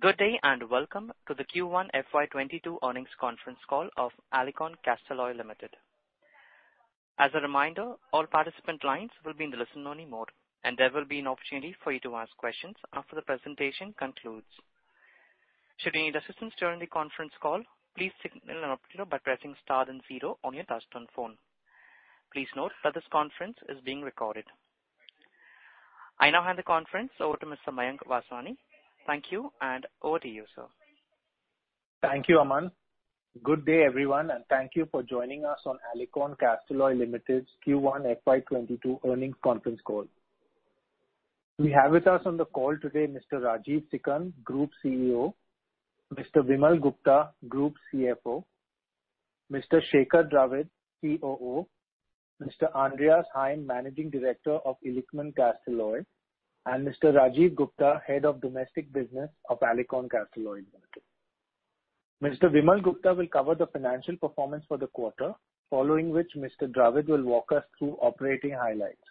Good day. Welcome to the Q1 FY2022 earnings conference call of Alicon Castalloy Limited. As a reminder, all participant lines will be in the listen-only mode. There will be an opportunity for you to ask questions after the presentation concludes. Should you need assistance during the conference call, please signal an operator by pressing star and zero on your touch-tone phone. Please note that this conference is being recorded. I now hand the conference over to Mr. Mayank Vaswani. Thank you. Over to you, sir. Thank you, Aman. Good day, everyone, and thank you for joining us on Alicon Castalloy Limited's Q1 FY22 earnings conference call. We have with us on the call today Mr. Rajeev Sikand, Group CEO, Mr. Vimal Gupta, Group CFO, Mr. Shekhar Dravid, COO, Mr. Andreas Heim, Managing Director of Illichmann Castalloy, and Mr. Rajiv Gupta, Head of Domestic Business of Alicon Castalloy Limited. Mr. Vimal Gupta will cover the financial performance for the quarter, following which Mr. Dravid will walk us through operating highlights.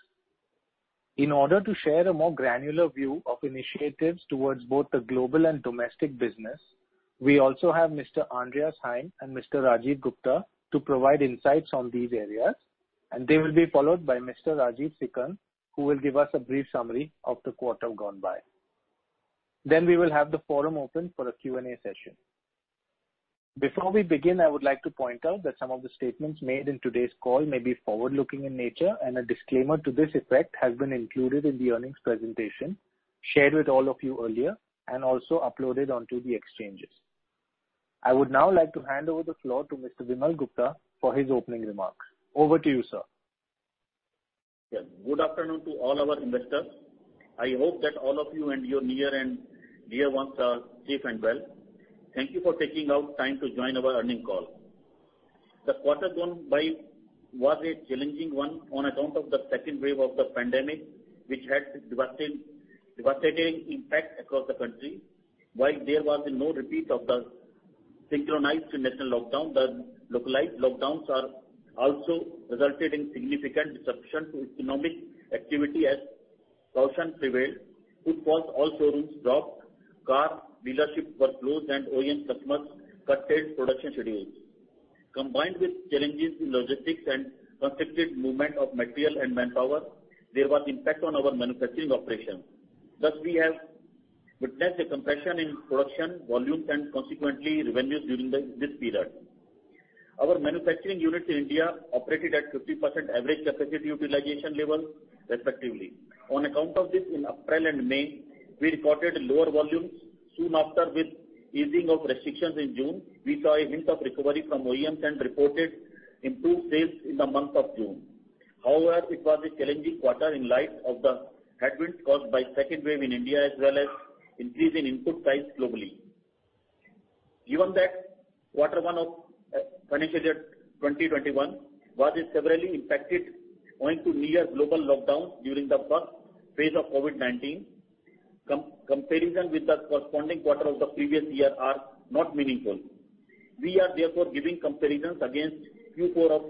In order to share a more granular view of initiatives towards both the global and domestic business, we also have Mr. Andreas Heim and Mr. Rajiv Gupta to provide insights on these areas, and they will be followed by Mr. Rajeev Sikand, who will give us a brief summary of the quarter gone by. We will have the forum open for a Q&A session. Before we begin, I would like to point out that some of the statements made in today's call may be forward-looking in nature, and a disclaimer to this effect has been included in the earnings presentation shared with all of you earlier and also uploaded onto the exchanges. I would now like to hand over the floor to Mr. Vimal Gupta for his opening remarks. Over to you, sir. Yes. Good afternoon to all our investors. I hope that all of you and your near and dear ones are safe and well. Thank you for taking out time to join our earnings call. The quarter gone by was a challenging one on account of the second wave of the pandemic, which had devastating impact across the country. While there was no repeat of the synchronized national lockdown, the localized lockdowns are also resulted in significant disruption to economic activity as caution prevailed. Footfalls, all showrooms stopped, car dealerships were closed, and OEM customers cut their production schedules. Combined with challenges in logistics and constricted movement of material and manpower, there was impact on our manufacturing operations. Thus, we have witnessed a compression in production volumes and consequently revenues during this period. Our manufacturing units in India operated at 50% average capacity utilization level respectively. On account of this, in April and May, we recorded lower volumes. Soon after, with easing of restrictions in June, we saw a hint of recovery from OEMs and reported improved sales in the month of June. However, it was a challenging quarter in light of the headwinds caused by second wave in India as well as increase in input price globally. Given that quarter one of FY 2021 was severely impacted owing to near global lockdowns during the first phase of COVID-19, comparison with the corresponding quarter of the previous year are not meaningful. We are therefore giving comparisons against Q4 of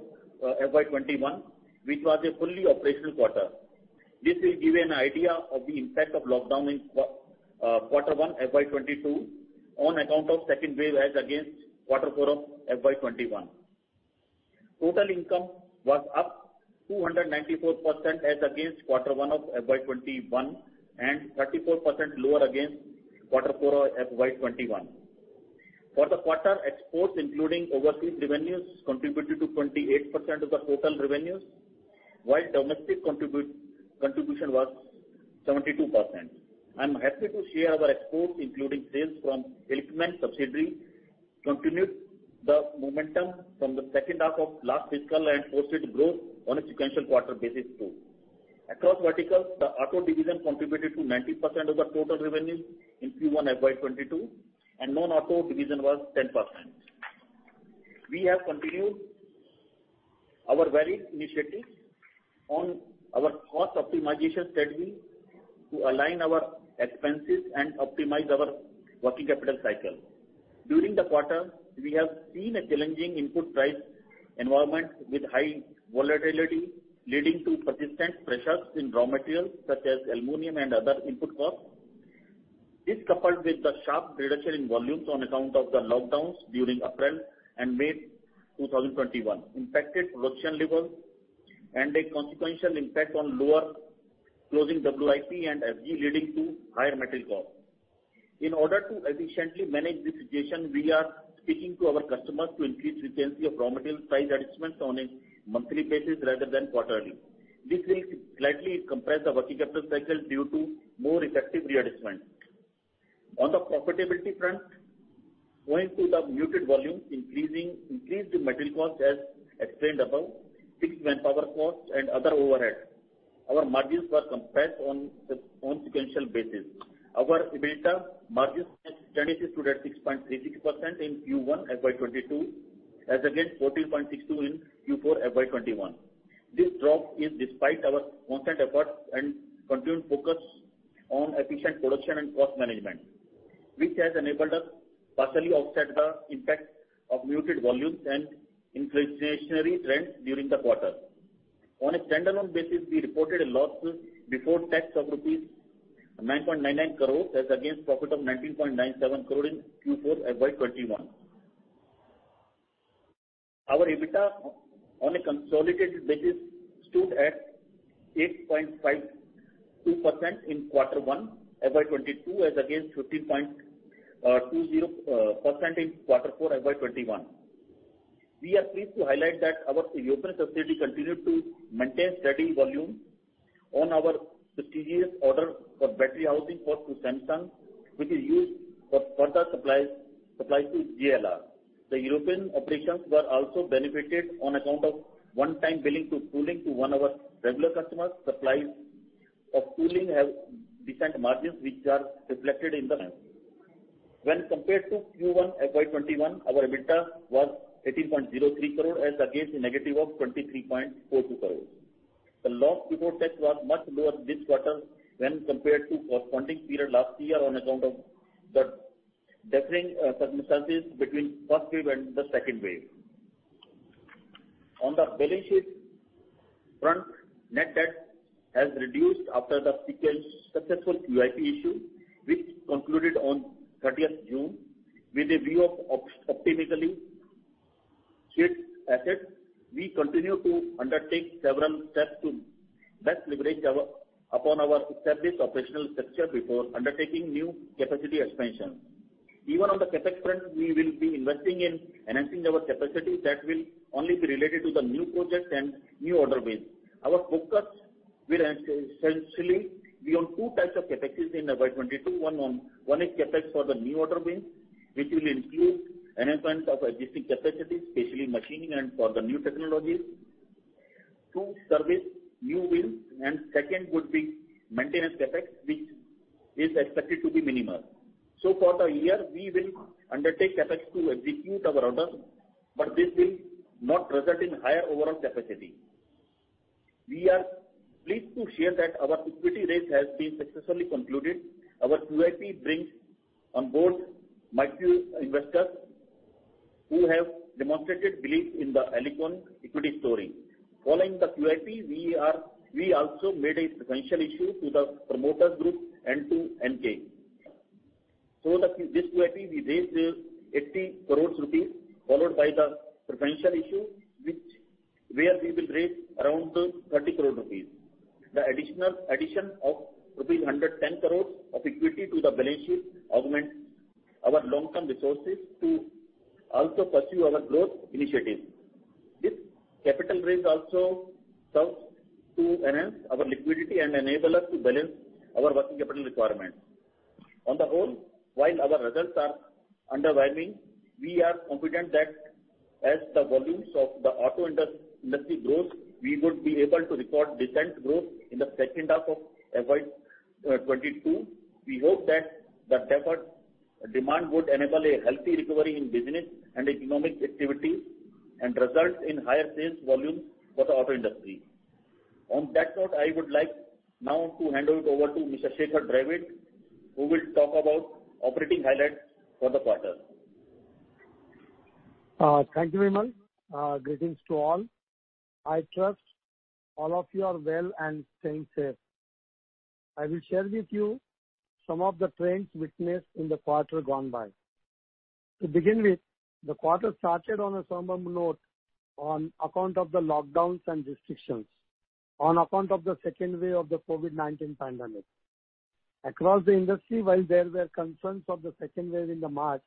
FY 2021, which was a fully operational quarter. This will give an idea of the impact of lockdown in quarter one FY 2022 on account of second wave as against quarter four of FY 2021. Total income was up 294% as against Q1 FY2021 and 34% lower against Q4 FY2021. For the quarter, exports, including overseas revenues, contributed to 28% of the total revenues, while domestic contribution was 72%. I'm happy to share our exports, including sales from Illichmann subsidiary, continued the momentum from the second half of last fiscal and posted growth on a sequential quarter basis too. Across verticals, the auto division contributed to 90% of the total revenue in Q1 FY2022, and non-auto division was 10%. We have continued our various initiatives on our cost optimization strategy to align our expenses and optimize our working capital cycle. During the quarter, we have seen a challenging input price environment with high volatility leading to persistent pressures in raw materials such as aluminium and other input costs. This, coupled with the sharp reduction in volumes on account of the lockdowns during April and May 2021, impacted production levels and a consequential impact on lower closing WIP and FG leading to higher material costs. In order to efficiently manage this situation, we are speaking to our customers to increase frequency of raw material price adjustments on a monthly basis rather than quarterly. This will slightly compress the working capital cycle due to more effective readjustment. On the profitability front, owing to the muted volumes increased material costs, as explained above, fixed manpower costs and other overheads, our margins were compressed on sequential basis. Our EBITDA margins stood at 6.36% in Q1 FY 2022 as against 14.62% in Q4 FY 2021. This drop is despite our constant efforts and continued focus on efficient production and cost management, which has enabled us partially offset the impact of muted volumes and inflationary trends during the quarter. On a standalone basis, we reported a loss before tax of rupees 9.99 crore as against profit of 19.97 crore in Q4 FY2021. Our EBITDA on a consolidated basis stood at 8.52% in Q1 FY2022, as against 15.20% in Q4 FY2021. We are pleased to highlight that our European subsidiary continued to maintain steady volume on our prestigious order for battery housing for Samsung, which is used for further supplies to JLR. The European operations were also benefited on account of one-time billing to tooling to one of our regular customers. Supplies of tooling have decent margins, which are reflected in the 10. When compared to Q1 FY21, our EBITDA was 18.03 crore as against a -23.42 crore. The loss before tax was much lower this quarter when compared to corresponding period last year on account of the differing circumstances between first wave and the second wave. On the balance sheet front, net debt has reduced after the successful QIP issue, which concluded on June 30th. With a view of optimally sheet asset, we continue to undertake several steps to best leverage upon our established operational structure before undertaking new capacity expansion. Even on the CapEx front, we will be investing in enhancing our capacity that will only be related to the new projects and new order wins. Our focus will essentially be on two types of CapExes in FY22. One is CapEx for the new order wins, which will include enhancement of existing capacity, especially machining and for the new technologies to service new wins and second would be maintenance CapEx, which is expected to be minimal. For the year, we will undertake CapEx to execute our orders, but this will not result in higher overall capacity. We are pleased to share that our equity raise has been successfully concluded. Our QIP brings on board multiple investors who have demonstrated belief in the Alicon equity story. Following the QIP, we also made a preferential issue to the promoter group and to Enkei. That in this QIP, we raised 80 crore rupees followed by the preferential issue where we will raise around 30 crore rupees. The addition of rupees 110 crore of equity to the balance sheet augments our long-term resources to also pursue our growth initiatives. This capital raise also serves to enhance our liquidity and enable us to balance our working capital requirement. On the whole, while our results are underwhelming, we are confident that as the volumes of the auto industry grows, we would be able to record decent growth in the second half of FY 2022. We hope that the tapered demand would enable a healthy recovery in business and economic activity and result in higher sales volume for the auto industry. On that note, I would like now to hand it over to Mr. Shekhar Dravid, who will talk about operating highlights for the quarter. Thank you, Vimal. Greetings to all. I trust all of you are well and staying safe. I will share with you some of the trends witnessed in the quarter gone by. To begin with, the quarter started on a somber note on account of the lockdowns and restrictions on account of the second wave of the COVID-19 pandemic. Across the industry, while there were concerns of the second wave in March,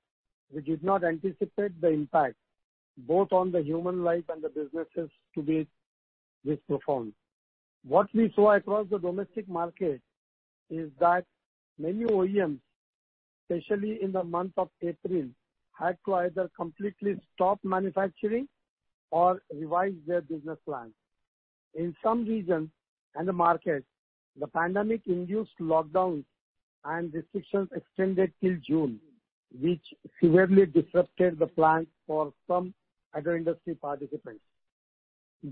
we did not anticipate the impact both on the human life and the businesses to be this profound. What we saw across the domestic market is that many OEMs, especially in the month of April, had to either completely stop manufacturing or revise their business plans. In some regions and the market, the pandemic induced lockdowns and restrictions extended till June, which severely disrupted the plant for some auto industry participants.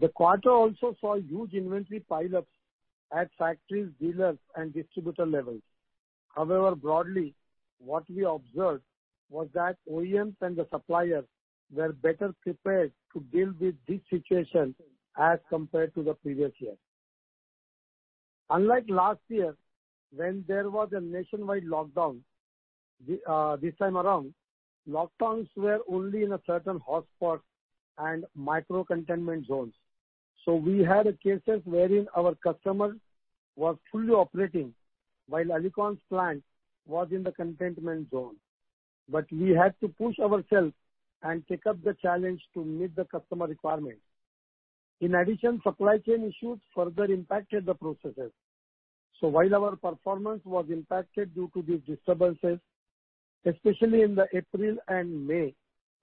The quarter also saw huge inventory pileups at factories, dealers, and distributor levels. Broadly, what we observed was that OEMs and the suppliers were better prepared to deal with this situation as compared to the previous year. Unlike last year when there was a nationwide lockdown, this time around, lockdowns were only in a certain hotspot and micro-containment zones. We had cases wherein our customer was fully operating while Alicon's plant was in the containment zone. We had to push ourselves and take up the challenge to meet the customer requirement. In addition, supply chain issues further impacted the processes. While our performance was impacted due to these disturbances, especially in the April and May,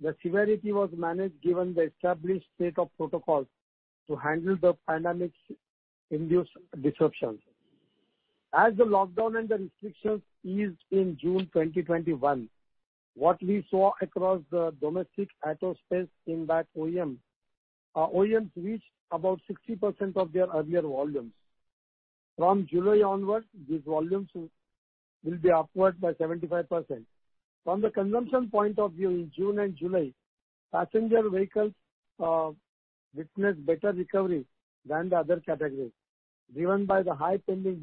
the severity was managed given the established set of protocols to handle the pandemic's induced disruptions. As the lockdown and the restrictions eased in June 2021, what we saw across the domestic auto space came back. OEMs reached about 60% of their earlier volumes. From July onwards, these volumes will be upward by 75%. From the consumption point of view, in June and July, passenger vehicles witnessed better recovery than the other categories, driven by the high pending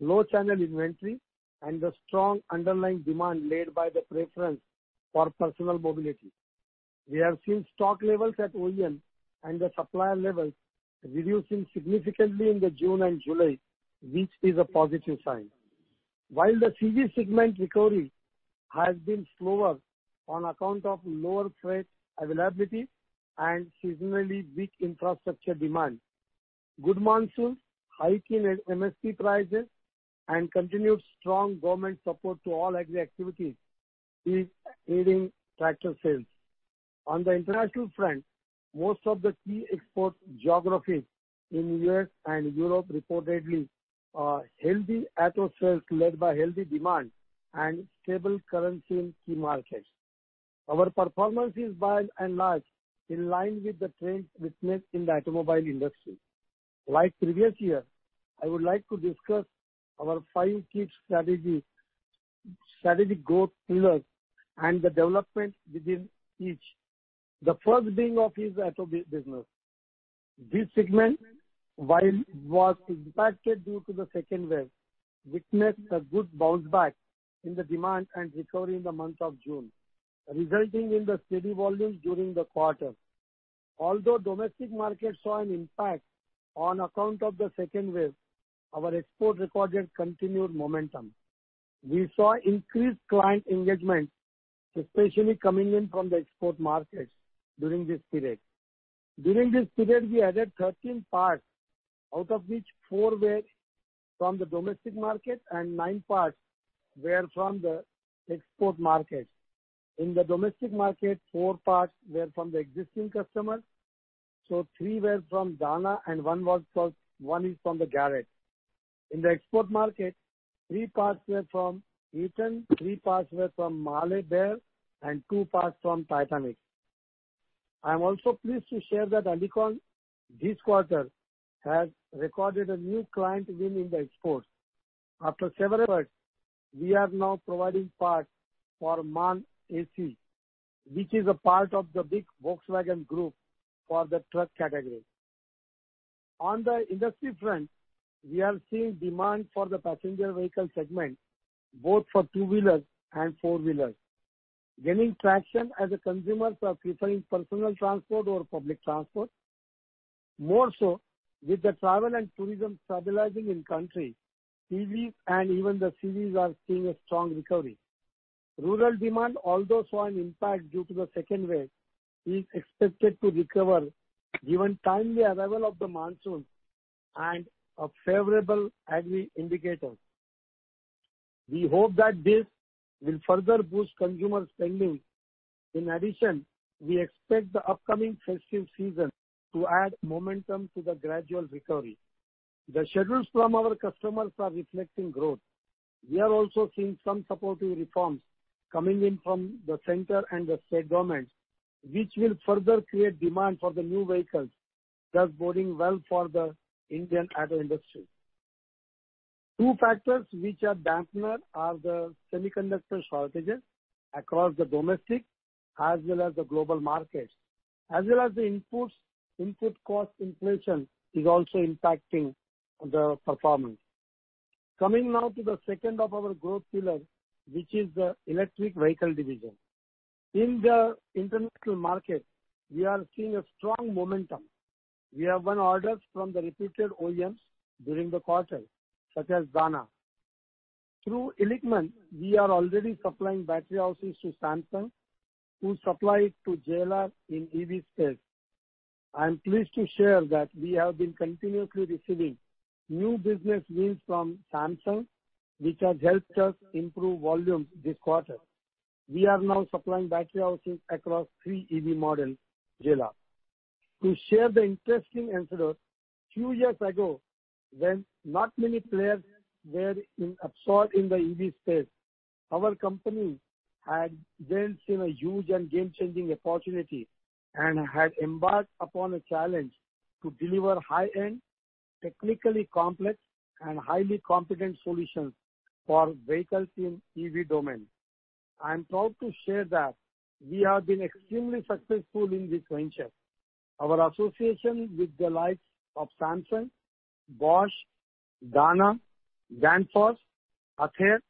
bookings, low channel inventory, and the strong underlying demand led by the preference for personal mobility. We have seen stock levels at OEM and the supplier levels reducing significantly in June and July, which is a positive sign. While the CV segment recovery has been slower on account of lower freight availability and seasonally weak infrastructure demand, good monsoon, hike in MSP prices, and continued strong government support to all agri activities is aiding tractor sales. On the international front, most of the key export geographies in U.S. and Europe reportedly, healthy auto sales led by healthy demand and stable currency in key markets. Our performance is by and large in line with the trends witnessed in the automobile industry. Like previous year, I would like to discuss our five key strategic growth pillars and the development within each. The first being our auto business. This segment, while was impacted due to the second wave, witnessed a good bounce back in the demand and recovery in the month of June, resulting in the steady volume during the quarter. Although domestic market saw an impact on account of the second wave, our export recorded continued momentum. We saw increased client engagement, especially coming in from the export markets during this period. During this period, we added 13 parts, out of which four were from the domestic market and nine parts were from the export market. In the domestic market, four parts were from the existing customers. Three were from Dana and one is from the Garrett. In the export market, three parts were from Eaton, three parts were from MAHLE Behr, and two parts from TitanX. I am also pleased to share that Alicon this quarter has recorded a new client win in the exports. After several efforts, we are now providing parts for MAN Truck & Bus, which is a part of the big Volkswagen group for the truck category. On the industry front, we are seeing demand for the passenger vehicle segment, both for two-wheelers and four-wheelers, gaining traction as the consumers are preferring personal transport over public transport. With the travel and tourism stabilizing in country, 2Ws and even the 3Ws are seeing a strong recovery. Rural demand, although saw an impact due to the second wave, is expected to recover given timely arrival of the monsoon and a favorable agri indicator. We hope that this will further boost consumer spending. We expect the upcoming festive season to add momentum to the gradual recovery. The schedules from our customers are reflecting growth. We are also seeing some supportive reforms coming in from the center and the state governments, which will further create demand for the new vehicles, thus boding well for the Indian auto industry. Two factors which are dampener are the semiconductor shortages across the domestic as well as the global markets. The input cost inflation is also impacting the performance. Coming now to the second of our growth pillar, which is the electric vehicle division. In the international market, we are seeing a strong momentum. We have won orders from the reputed OEMs during the quarter, such as Dana. Through Illichmann, we are already supplying battery housings to Samsung, who supply it to JLR in EV space. I am pleased to share that we have been continuously receiving new business wins from Samsung, which has helped us improve volumes this quarter. We are now supplying battery housings across three EV models JLR. To share the interesting anecdote, few years ago, when not many players were absorbed in the EV space, our company had then seen a huge and game-changing opportunity, and had embarked upon a challenge to deliver high-end, technically complex and highly competent solutions for vehicles in EV domain. I am proud to share that we have been extremely successful in this venture. Our association with the likes of Samsung, Bosch, Dana, Danfoss, Ather,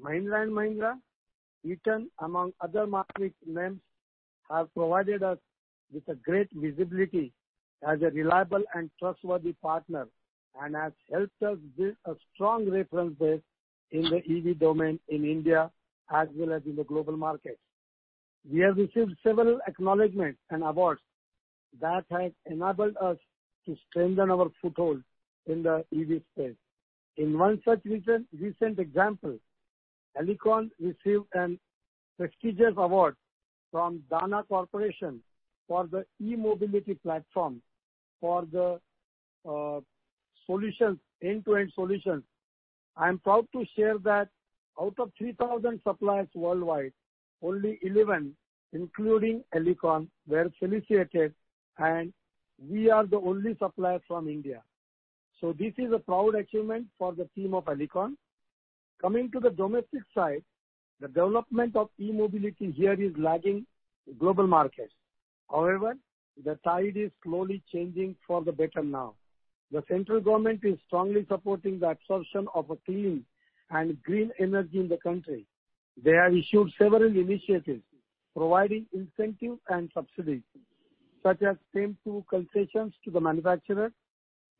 Mahindra & Mahindra, Eaton, among other market names, have provided us with a great visibility as a reliable and trustworthy partner and has helped us build a strong reference base in the EV domain in India as well as in the global markets. We have received several acknowledgments and awards that has enabled us to strengthen our foothold in the EV space. In one such recent example, Alicon received a prestigious award from Dana Corporation for the e-mobility platform for the end-to-end solution. I am proud to share that out of 3,000 suppliers worldwide, only 11, including Alicon, were solicited, and we are the only supplier from India. This is a proud achievement for the team of Alicon. Coming to the domestic side, the development of e-mobility here is lagging global markets. However, the tide is slowly changing for the better now. The central government is strongly supporting the absorption of clean and green energy in the country. They have issued several initiatives providing incentives and subsidies, such as FAME II concessions to the manufacturer,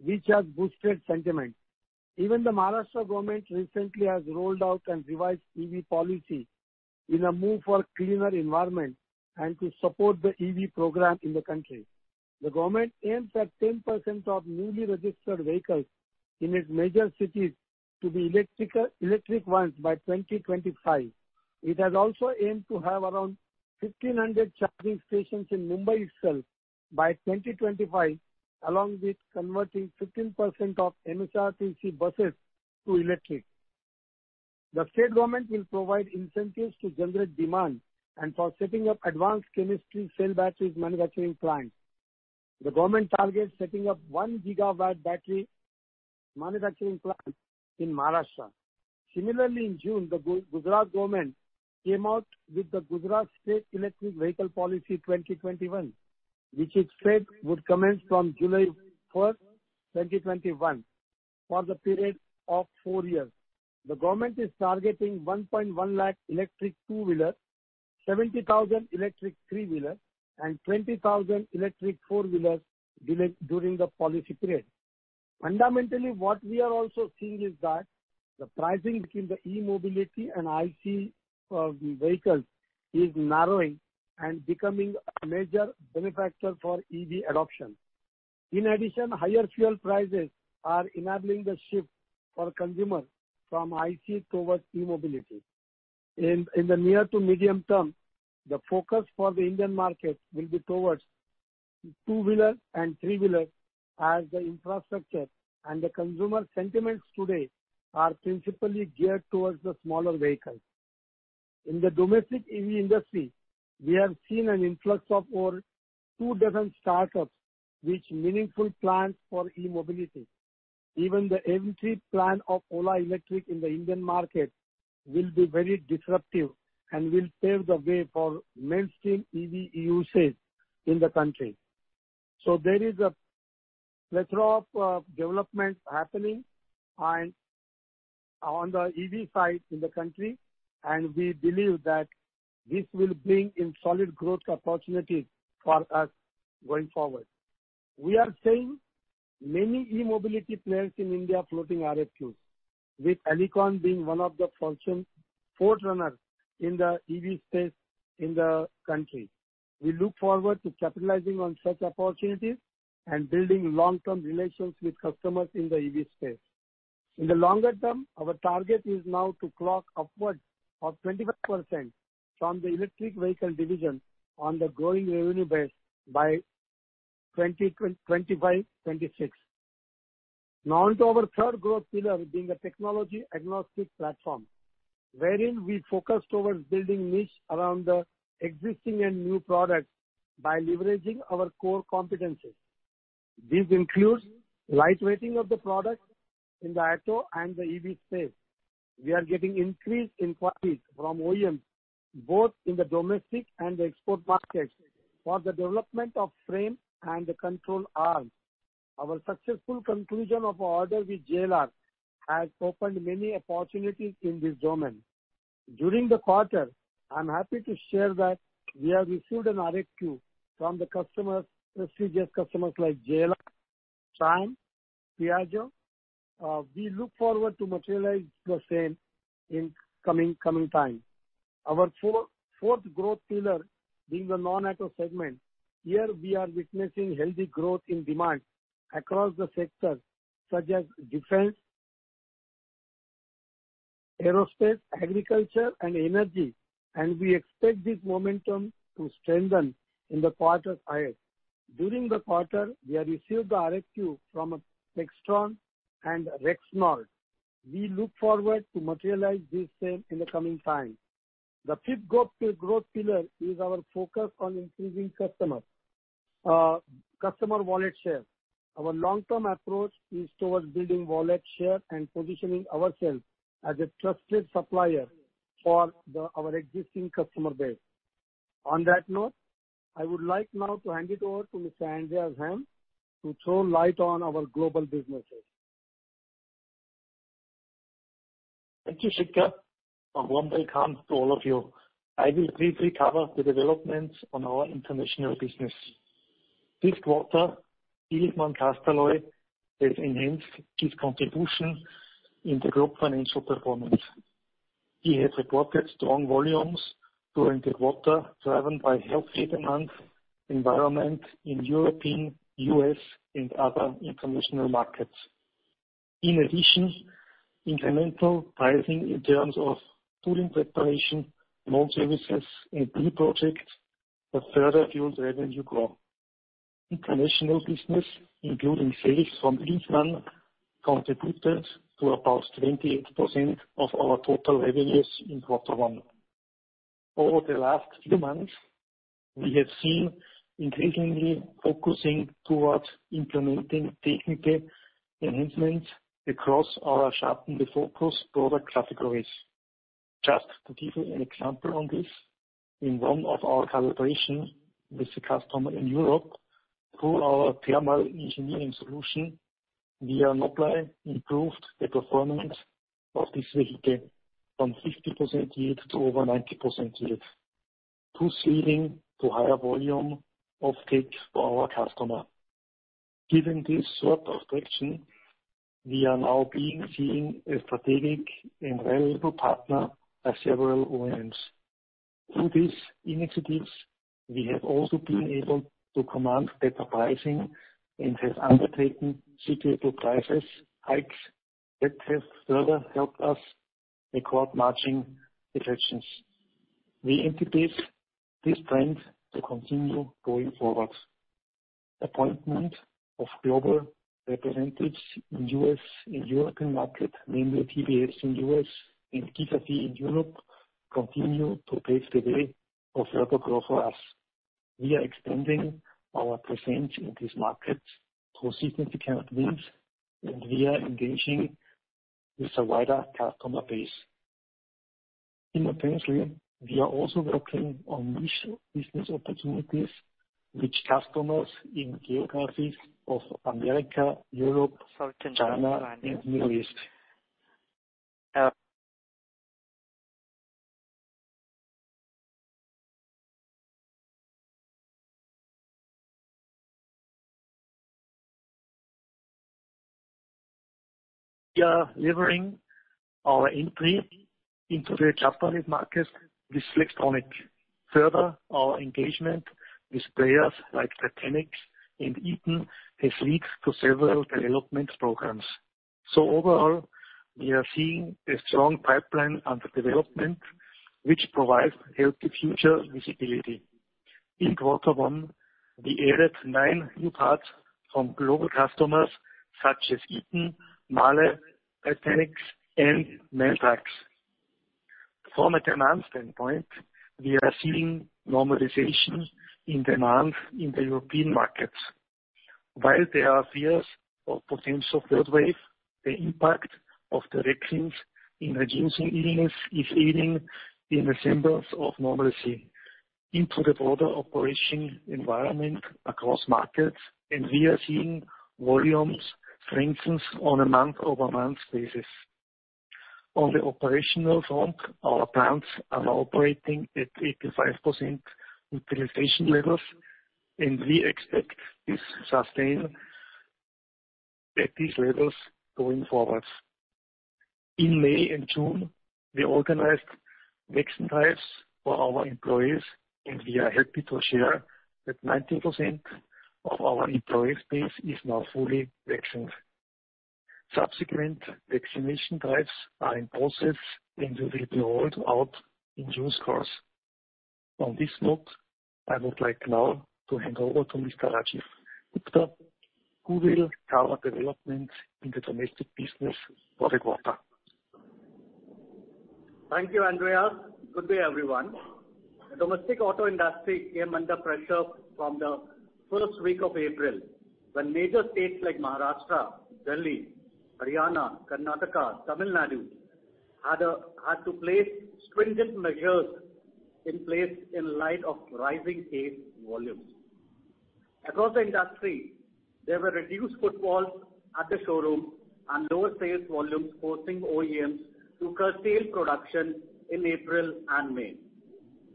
which has boosted sentiment. Even the Maharashtra government recently has rolled out and revised EV policy in a move for cleaner environment and to support the EV program in the country. The government aims at 10% of newly registered vehicles in its major cities to be electric ones by 2025. It has also aimed to have around 1,500 charging stations in Mumbai itself by 2025, along with converting 15% of MSRTC buses to electric. The state government will provide incentives to generate demand and for setting up Advanced Chemistry Cell batteries manufacturing plants. The government targets setting up 1 GW battery manufacturing plant in Maharashtra. Similarly, in June, the Gujarat government came out with the Gujarat State Electric Vehicle Policy 2021, which its trade would commence from July 1st, 2021, for the period of four years. The government is targeting 1.1 lakh electric 2W, 70,000 electric 3W, and 20,000 electric four-wheelers during the policy period. Fundamentally, what we are also seeing is that the pricing between the e-mobility and IC vehicles is narrowing and becoming a major benefactor for EV adoption. In addition, higher fuel prices are enabling the shift for consumers from IC towards e-mobility. In the near to medium term, the focus for the Indian market will be towards Two-Wheelers and Three-Wheelers, as the infrastructure and the consumer sentiments today are principally geared towards the smaller vehicles. In the domestic EV industry, we have seen an influx of over two dozen startups with meaningful plans for e-mobility. Even the entry plan of Ola Electric in the Indian market will be very disruptive and will pave the way for mainstream EV usage in the country. There is a plethora of developments happening on the EV side in the country, and we believe that this will bring in solid growth opportunities for us going forward. We are seeing many e-mobility players in India floating RFQs, with Alicon being one of the front-runners in the EV space in the country. We look forward to capitalizing on such opportunities and building long-term relations with customers in the EV space. In the longer term, our target is now to clock upwards of 25% from the electric vehicle division on the growing revenue base by 2025-2026. On to our third growth pillar, being a technology agnostic platform, wherein we focus towards building niche around the existing and new products by leveraging our core competencies. This includes light weighting of the product in the auto and the EV space. We are getting increased inquiries from OEMs, both in the domestic and the export markets, for the development of frame and the control arms. Our successful conclusion of order with JLR has opened many opportunities in this domain. During the quarter, I'm happy to share that we have received an RFQ from the prestigious customers like JLR, SAIC, Piaggio. We look forward to materialize the same in coming time. Our fourth growth pillar being the non-auto segment. Here, we are witnessing healthy growth in demand across the sectors such as defense, aerospace, agriculture, and energy. We expect this momentum to strengthen in the quarters ahead. During the quarter, we have received the RFQ from Textron and Rexnord. We look forward to materialize this same in the coming time. The fifth growth pillar is our focus on increasing customer wallet share. Our long-term approach is towards building wallet share and positioning ourselves as a trusted supplier for our existing customer base. On that note, I would like now to hand it over to Mr. Andreas Heim, to throw light on our global businesses. Thank you, Shekhar, and warm welcome to all of you. I will briefly cover the developments on our international business. This quarter, Alicon Castalloy has enhanced its contribution in the group financial performance. We have reported strong volumes during the quarter, driven by healthy demand environment in European, U.S., and other international markets. In addition, incremental pricing in terms of tooling preparation, [loan]services, and new projects have further fueled revenue growth. International business, including sales from Illichmann, contributed to about 28% of our total revenues in Q1. Over the last few months, we have seen increasingly focusing towards implementing technical enhancements across our [sharpen the focus] product categories. Just to give you an example on this, in one of our collaboration with a customer in Europe, through our thermal engineering solution, we have notably improved the performance of this vehicle from 50% yield to over 90% yield, thus leading to higher volume offtake for our customer. Given this sort of traction, we are now being seen a strategic and reliable partner by several OEMs. Through these initiatives, we have also been able to command better pricing and have undertaken suitable prices hikes that have further helped us record matching. [inaudible] We anticipate this trend to continue going forward. Appointment of global representatives in U.S. and European market, namely TBS in U.S. and Kifasi in Europe, continue to pave the way of further growth for us. We are expanding our presence in this market through significant wins, and we are engaging with a wider customer base. Simultaneously, we are also working on new business opportunities with customers in geographies of America, Europe, China, and Middle East. We are leveraging our entry into the Japanese market with Flextronics. Further, our engagement with players like TitanX and Eaton has led to several development programs. Overall, we are seeing a strong pipeline under development, which provides healthy future visibility. In Q1, we added nine new parts from global customers such as Eaton, MAHLE, TitanX, and MAN Truck. From a demand standpoint, we are seeing normalization in demand in the European markets. While there are fears of potential third wave, the impact of the vaccines in reducing illness is aiding in a semblance of normalcy into the broader operating environment across markets, and we are seeing volumes strengthen on a month-over-month basis. On the operational front, our plants are operating at 85% utilization levels, and we expect this sustain at these levels going forward. In May and June, we organized vaccine drives for our employees, and we are happy to share that 90% of our employee base is now fully vaccinated. Subsequent vaccination drives are in process and will be rolled out in June's course. On this note, I would like now to hand over to Mr. Rajiv Gupta, who will cover development in the domestic business for the quarter. Thank you, Andreas. Good day, everyone. The domestic auto industry came under pressure from the first week of April, when major states like Maharashtra, Delhi, Haryana, Karnataka, Tamil Nadu had to place stringent measures in place in light of rising case volumes. Across the industry, there were reduced footfalls at the showroom and lower sales volumes, forcing OEMs to curtail production in April and May.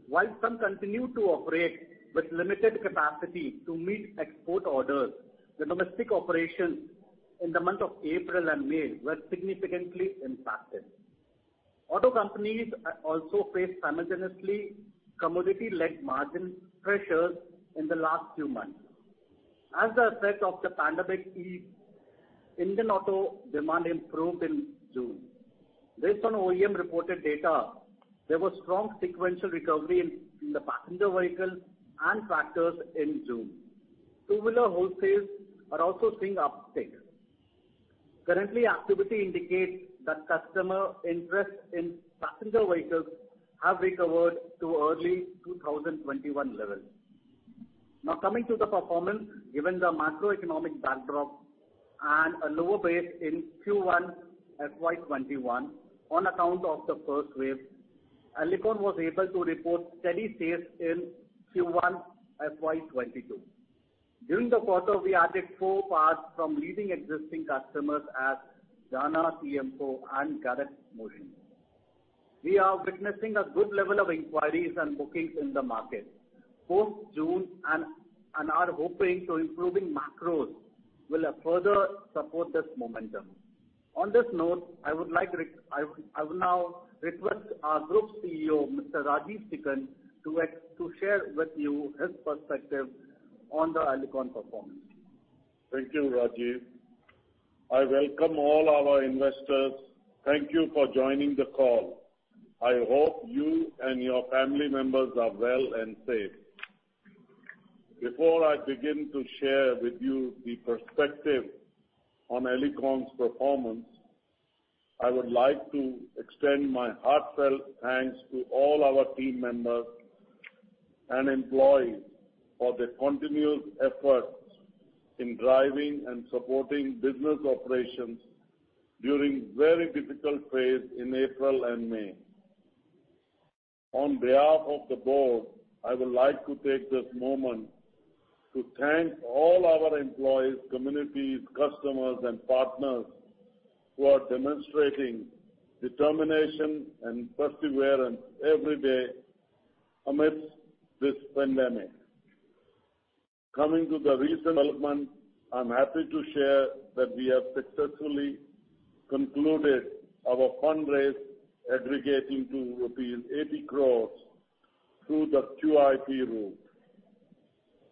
While some continued to operate with limited capacity to meet export orders, the domestic operations in the month of April and May were significantly impacted. Auto companies also faced simultaneously commodity-led margin pressures in the last few months. As the effect of the pandemic eased, Indian auto demand improved in June. Based on OEM reported data, there was strong sequential recovery in the passenger vehicles and tractors in June. Two-wheeler wholesales are also seeing uptick. Currently, activity indicates that customer interest in passenger vehicles have recovered to early 2021 levels. Coming to the performance. Given the macroeconomic backdrop and a lower base in Q1 FY 2021 on account of the first wave, Alicon was able to report steady sales in Q1 FY 2022. During the quarter, we added four parts from leading existing customers as Dana, TM4, and Garrett Motion. We are witnessing a good level of inquiries and bookings in the market post June and are hoping to improving macros will further support this momentum. On this note, I will now request our Group Chief Executive Officer, Mr. Rajeev Sikand, to share with you his perspective on the Alicon performance. Thank you, Rajiv. I welcome all our investors. Thank you for joining the call. I hope you and your family members are well and safe. Before I begin to share with you the perspective on Alicon's performance, I would like to extend my heartfelt thanks to all our team members and employees for their continuous efforts in driving and supporting business operations during very difficult phase in April and May. On behalf of the board, I would like to take this moment to thank all our employees, communities, customers, and partners who are demonstrating determination and perseverance every day amidst this pandemic. Coming to the recent development, I'm happy to share that we have successfully concluded our fundraise aggregating to 80 crores through the QIP route.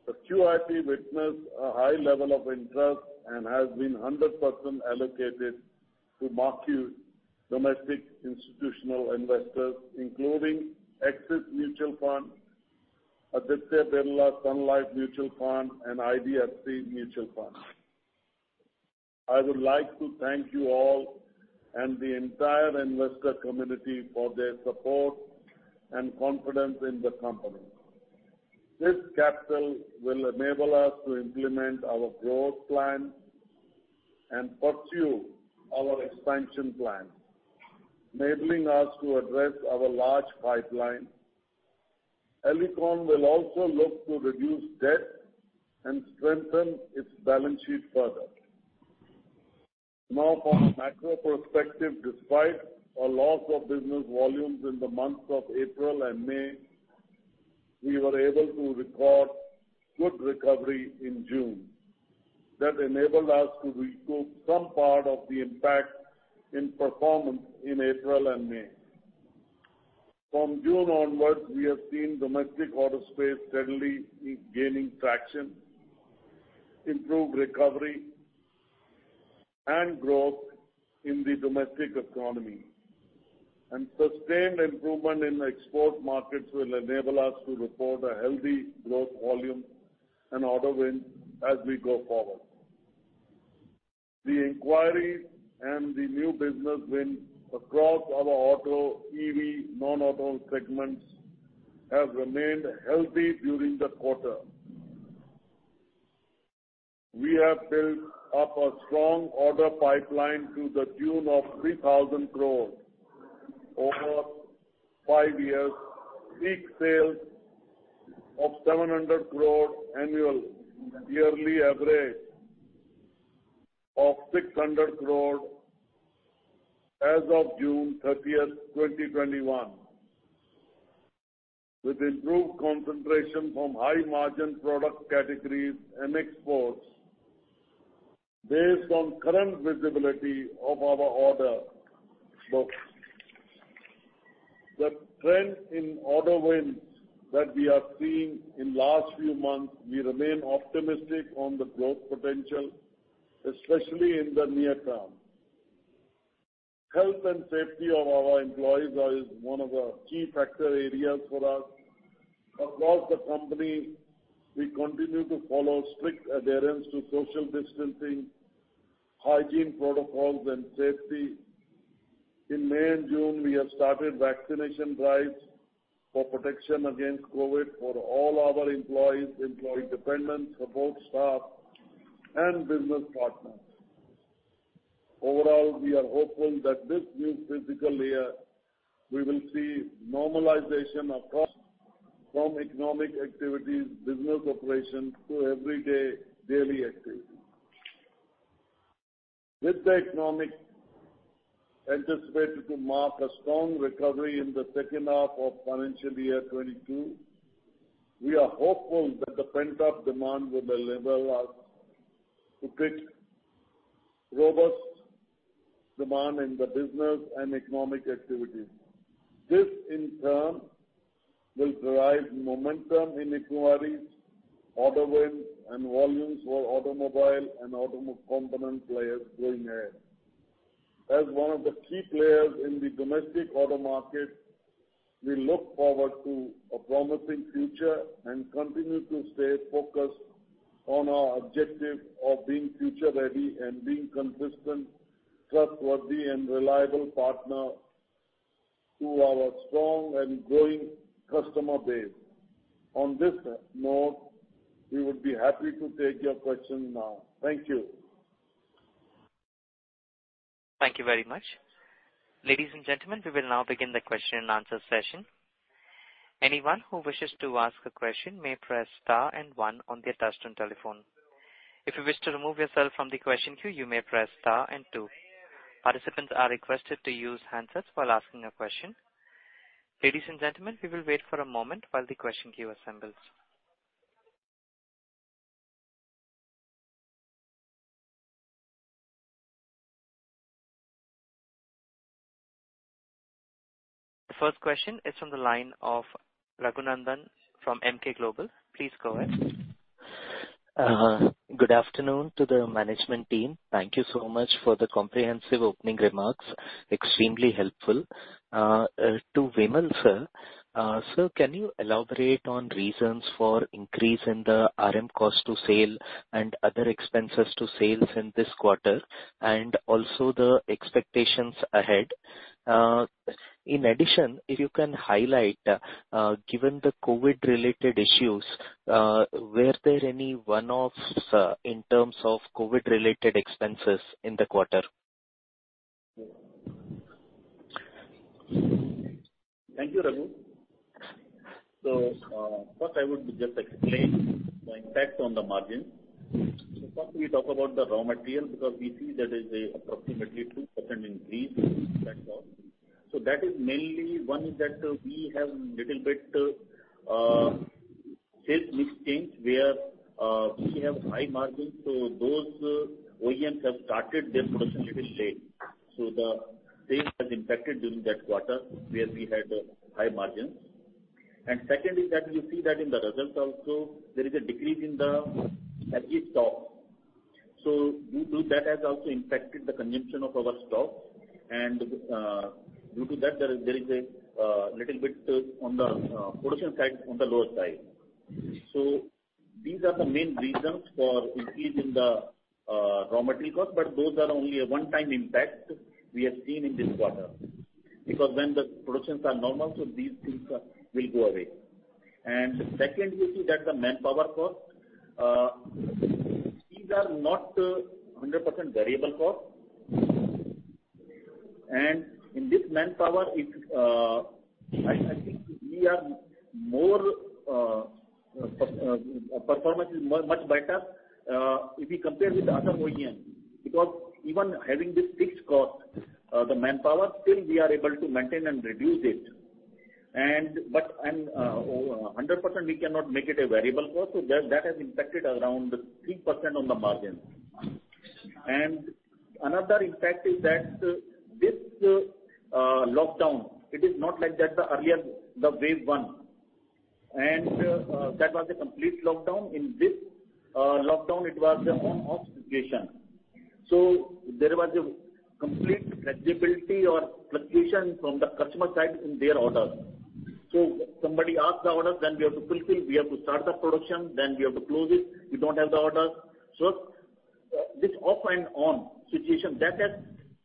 The QIP witnessed a high level of interest and has been 100% allocated to marquee domestic institutional investors, including Axis Mutual Fund, Aditya Birla Sun Life Mutual Fund, and IDFC Mutual Fund. I would like to thank you all and the entire investor community for their support and confidence in the company. This capital will enable us to implement our growth plan and pursue our expansion plan, enabling us to address our large pipeline. Alicon will also look to reduce debt and strengthen its balance sheet further. From a macro perspective, despite a loss of business volumes in the months of April and May, we were able to record good recovery in June. That enabled us to recoup some part of the impact in performance in April and May. From June onwards, we have seen domestic auto space steadily gaining traction, improved recovery, and growth in the domestic economy. Sustained improvement in export markets will enable us to report a healthy growth volume and order win as we go forward. The inquiries and the new business wins across our auto EV, non-auto segments have remained healthy during the quarter. We have built up a strong order pipeline to the tune of 3,000 crore over five years, peak sales of 700 crore annual, yearly average of 600 crore as of June 30th, 2021. With improved concentration from high-margin product categories and exports based on current visibility of our order book. The trend in order wins that we are seeing in last few months, we remain optimistic on the growth potential, especially in the near term. Health and safety of our employees is one of the key factor areas for us. Across the company, we continue to follow strict adherence to social distancing, hygiene protocols, and safety. In May and June, we have started vaccination drives for protection against COVID for all our employees, employee dependents, support staff, and business partners. Overall, we are hopeful that this new fiscal year, we will see normalization across from economy activities, business operations, to every day daily activities. With the economy anticipated to mark a strong recovery in the second half of financial year 2022, we are hopeful that the pent-up demand will enable us to pick robust demand in the business and economy activities. This, in turn, will drive momentum in inquiries, order wins, and volumes for automobile and auto component players going ahead. As one of the key players in the domestic auto market, we look forward to a promising future and continue to stay focused on our objective of being future ready and being consistent, trustworthy, and reliable partner to our strong and growing customer base. On this note, we would be happy to take your question now. Thank you. Thank you very much. Ladies and gentlemen, we will now begin the question and answer session. Anyone who wishes to ask a question may press star one on their touch-tone telephone. If you wish to remove yourself from the question queue, you may press star two. Participants are requested to use handsets while asking a question. Ladies and gentlemen, we will wait for a moment while the question queue assembles. The first question is from the line of Raghu Nandanam from Emkay Global. Please go ahead. Good afternoon to the management team. Thank you so much for the comprehensive opening remarks. Extremely helpful. To Vimal, sir. Sir, can you elaborate on reasons for increase in the RM cost to sale and other expenses to sales in this quarter, and also the expectations ahead? In addition, if you can highlight, given the COVID-related issues, were there any one-offs in terms of COVID-related expenses in the quarter? Thank you, Raghu. I would just explain the impact on the margin. First we talk about the raw material, because we see that is approximately 2% increase in that cost. That is mainly one that we have little bit sales mix change, where we have high margin, those OEMs have started their production a little late. The sale has impacted during that quarter where we had high margins. Second is that we see that in the results also, there is a decrease in the average stock. Due to that has also impacted the consumption of our stock, and due to that, there is a little bit on the production side on the lower side. These are the main reasons for increase in the raw material cost, but those are only a one-time impact we have seen in this quarter. When the productions are normal, these things will go away. Second, we see that the manpower cost, these are not 100% variable cost. In this manpower, I think we are more performance is much better if we compare with the other OEM. Even having this fixed cost, the manpower, still we are able to maintain and reduce it. 100%, we cannot make it a variable cost, that has impacted around 3% on the margin. Another impact is that this lockdown, it is not like that the earlier, the wave one. That was a complete lockdown. In this lockdown, it was a on-off situation. There was a complete flexibility or fluctuation from the customer side in their orders. Somebody asks the orders, then we have to fulfill, we have to start the production, then we have to close it. We don't have the order. This off and on situation, that has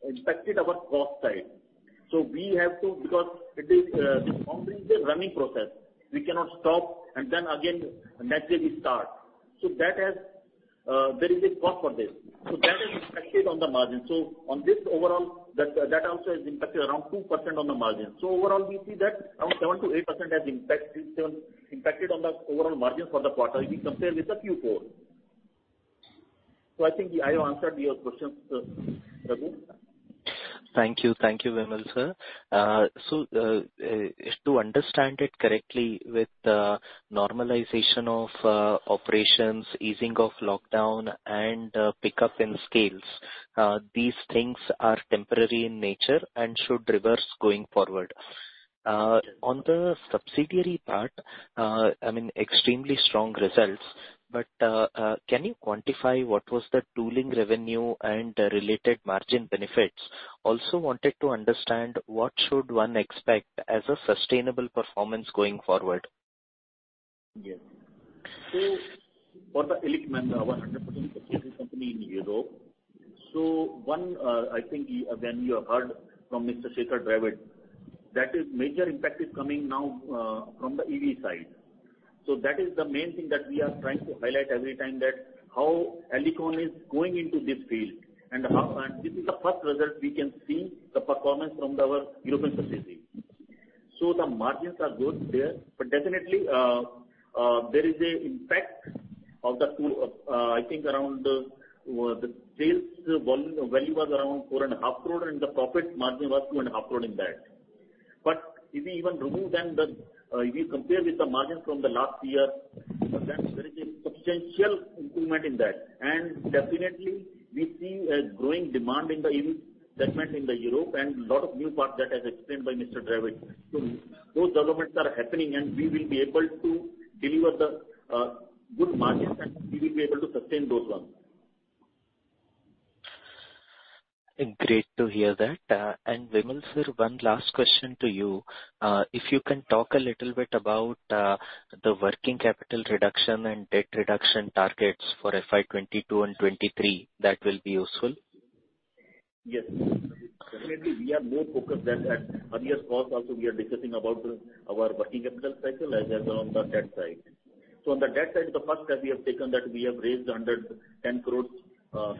impacted our cost side. We have to, because it is a running process, we cannot stop and then again next day we start. There is a cost for this. That has impacted on the margin. On this overall, that also has impacted around 2% on the margin. Overall, we see that around 7%-8% has impacted on the overall margin for the quarter if we compare with the Q4. I think I have answered your question, Raghu. Thank you, Vimal sir. If to understand it correctly, with normalization of operations, easing of lockdown, and pickup in scales, these things are temporary in nature and should reverse going forward. On the subsidiary part, extremely strong results, but can you quantify what was the tooling revenue and related margin benefits? Also wanted to understand what should one expect as a sustainable performance going forward. For the Illichmann, our 100% subsidiary company in Europe. I think when you have heard from Shekhar Dravid, that a major impact is coming now from the EV side. That is the main thing that we are trying to highlight every time that how Illichmann is going into this field. This is the first result we can see the performance from our European subsidiary. The margins are good there, definitely, there is a impact of the tooling, I think around the sales value was around 4.5 crore and the profit margin was 2.5 crore in that. If we even remove them, if you compare with the margin from the last year, there is a substantial improvement in that. Definitely, we see a growing demand in the EV segment in the Europe and lot of new part that has explained by Mr. Dravid. Those developments are happening, and we will be able to deliver the good margins and we will be able to sustain those ones. Great to hear that. Vimal sir, one last question to you. If you can talk a little bit about the working capital reduction and debt reduction targets for FY 2022 and 2023, that will be useful. Yes. Definitely, we are more focused than that. Earlier calls also we are discussing about our working capital cycle as well as on the debt side. On the debt side, the first step we have taken that we have raised 110 crore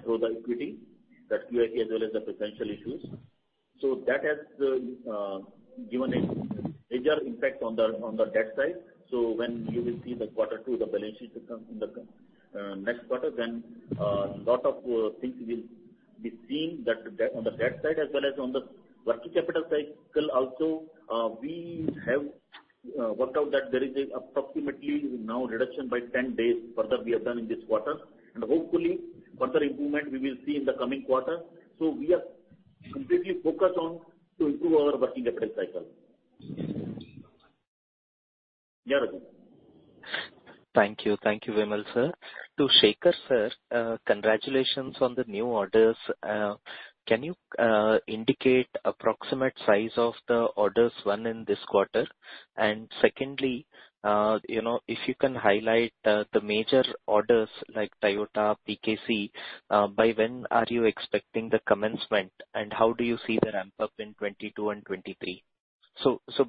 through the equity, the QIP as well as the preferential issues. That has given a major impact on the debt side. When you will see the quarter two, the balance sheet in the next quarter, then a lot of things will be seen on the debt side as well as on the working capital cycle also, we have We worked out that there is approximately now a reduction by 10 days further we have done in this quarter. Hopefully, further improvement we will see in the coming quarter. We are completely focused on improving our working capital cycle. Yeah, Raghu. Thank you. Thank you, Vimal, sir. To Shekhar, sir, congratulations on the new orders. Can you indicate approximate size of the orders won in this quarter? Secondly, if you can highlight the major orders like Toyota, PKC, by when are you expecting the commencement, and how do you see the ramp-up in 2022 and 2023?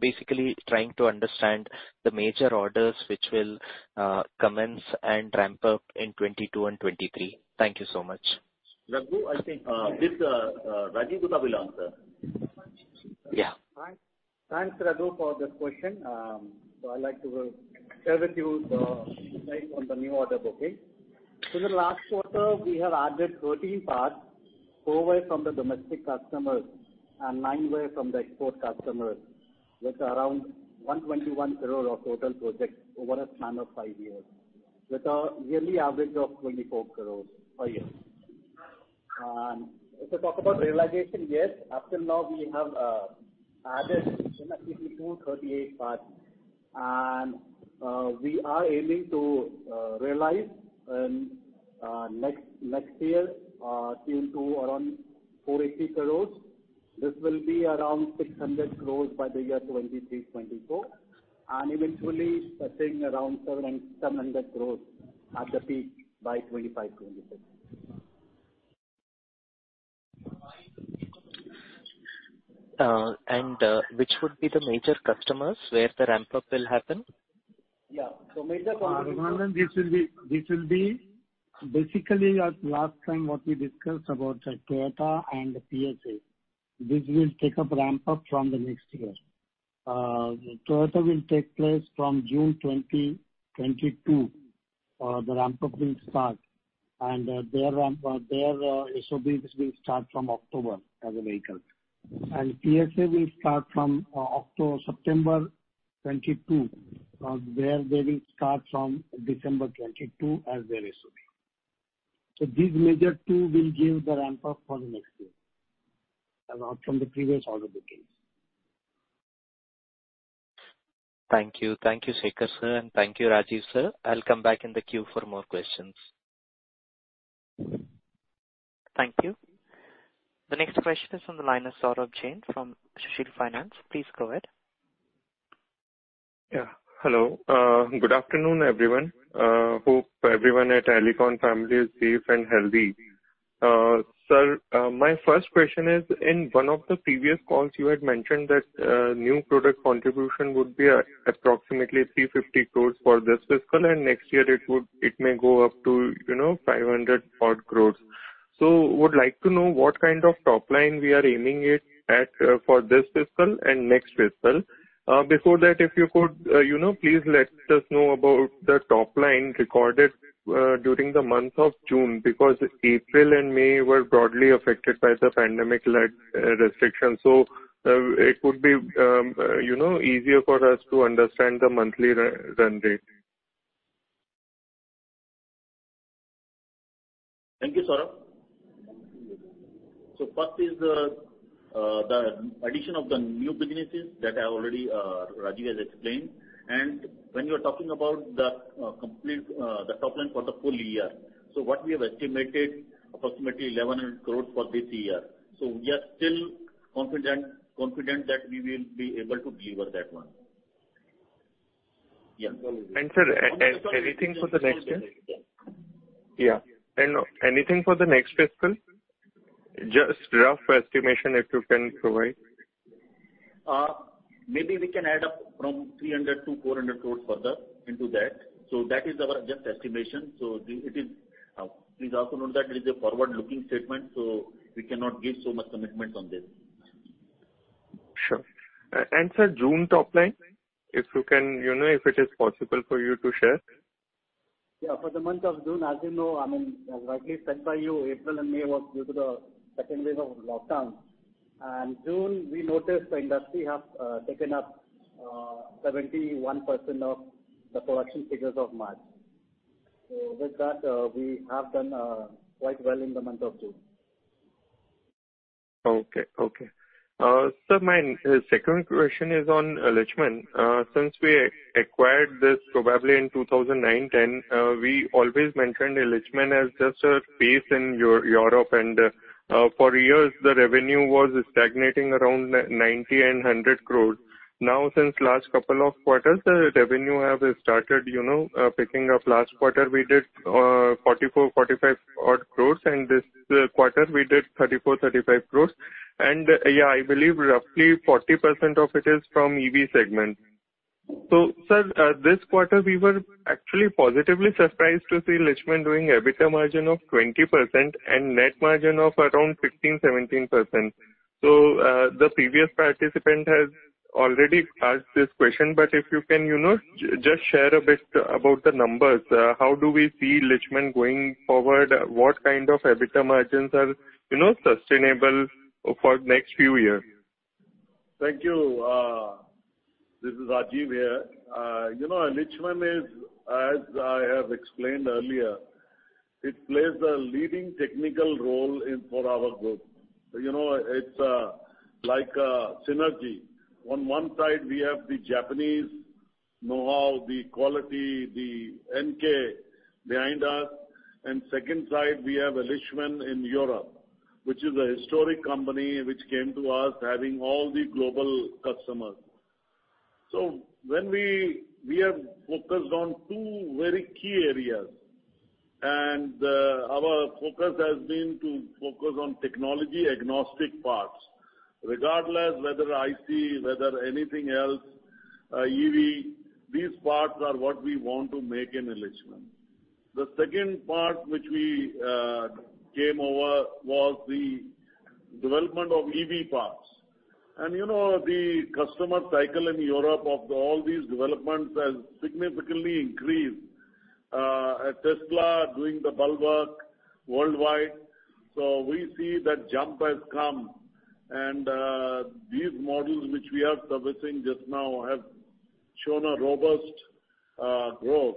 Basically, trying to understand the major orders which will commence and ramp up in 2022 and 2023. Thank you so much. Raghu, I think this Rajiv Gupta will answer. Yeah. Thanks, Raghu, for this question. I'd like to share with you the insight on the new order booking. In the last quarter, we have added 13 parts, four ways from the domestic customers and nine ways from the export customers, with around 121 crore of total projects over a span of five years, with a yearly average of 24 crore per year. If we talk about realization, yes, up till now, we have added significantly 238 parts, and we are aiming to realize next year between to around 480 crores. This will be around 600 crores by the year 2023, 2024, and eventually touching around 700 crores at the peak by 2025, 2026. Which would be the major customers where the ramp-up will happen? Yeah. Harman, this will be basically last time what we discussed about Toyota and PSA. This will take up ramp up from the next year. Toyota will take place from June 2022, the ramp-up will start, and their SOPs will start from October as a vehicle. PSA will start from September 2022. They will start from December 2022 as their SOP. These major two will give the ramp-up for the next year, apart from the previous order bookings. Thank you. Thank you, Shekhar, sir, and thank you, Rajiv, sir. I will come back in the queue for more questions. Thank you. The next question is on the line of Saurabh Jain from Sushil Finance. Please go ahead. Yeah, hello. Good afternoon, everyone. Hope everyone at Alicon family is safe and healthy. Sir, my first question is, in one of the previous calls, you had mentioned that new product contribution would be approximately 350 crores for this fiscal, and next year it may go up to 500 odd crores. Would like to know what kind of top line we are aiming it at for this fiscal and next fiscal. Before that, if you could please let us know about the top line recorded during the month of June, because April and May were broadly affected by the pandemic-led restrictions. It would be easier for us to understand the monthly run rate. Thank you, Saurabh. First is the addition of the new businesses that already Rajiv has explained. When you're talking about the top line for the full year, what we have estimated, approximately 1,100 crores for this year. We are still confident that we will be able to deliver that one. Sir, anything for the next year? Yeah. Anything for the next fiscal? Just rough estimation if you can provide. Maybe we can add up from 300-400 crores further into that. That is our just estimation. Please also note that it is a forward-looking statement, so we cannot give so much commitment on this. Sure. Sir, June top line, if it is possible for you to share? Yeah, for the month of June, as you know, I mean, as rightly said by you, April and May was due to the second wave of lockdown. June, we noticed the industry have taken up 71% of the production figures of March. With that, we have done quite well in the month of June. Sir, my second question is on Illichmann. Since we acquired this probably in 2009, 2010, we always mentioned Illichmann as just a base in Europe. For years the revenue was stagnating around 90 crore-100 crore. Since last couple of quarters, the revenue has started picking up. Last quarter we did 44 crore-45 crore. This quarter we did 34 crore-35 crore. I believe roughly 40% of it is from EV segment. Sir, this quarter we were actually positively surprised to see Illichmann doing EBITDA margin of 20% and net margin of around 15%-17%. The previous participant has already asked this question. If you can just share a bit about the numbers. How do we see Illichmann going forward? What kind of EBITDA margins are sustainable for next few years? Thank you. This is Rajeev here. Illichmann, as I have explained earlier, it plays a leading technical role for our group. It's like a synergy. On one side, we have the Japanese know-how, the quality, the Enkei behind us, and second side, we have Illichmann in Europe, which is a historic company which came to us having all the global customers. We have focused on two very key areas, and our focus has been to focus on technology agnostic parts, regardless whether IC, whether anything else, EV, these parts are what we want to make in Illichmann. The second part which we came over was the development of EV parts. The customer cycle in Europe after all these developments has significantly increased, Tesla doing the bulwark worldwide. We see that jump has come. These models which we are servicing just now have shown a robust growth.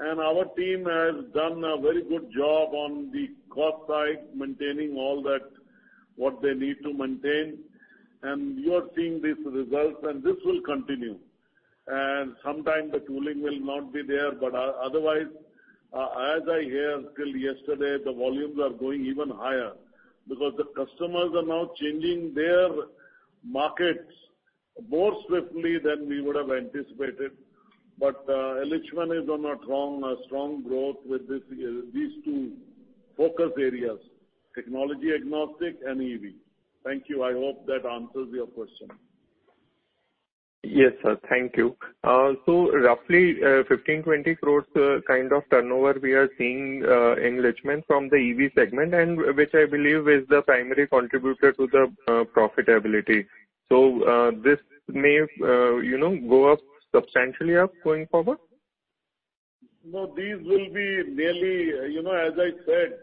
Our team has done a very good job on the cost side, maintaining all that what they need to maintain. You are seeing these results and this will continue. Sometimes the tooling will not be there, but otherwise, as I hear till yesterday, the volumes are going even higher because the customers are now changing their markets more swiftly than we would have anticipated. Illichmann is on a strong growth with these two focus areas, technology agnostic and EV. Thank you. I hope that answers your question. Yes, sir. Thank you. Roughly 15 crores-20 crores kind of turnover we are seeing in Illichmann from the EV segment, and which I believe is the primary contributor to the profitability. This may go up substantially up going forward? These will be merely, as I said,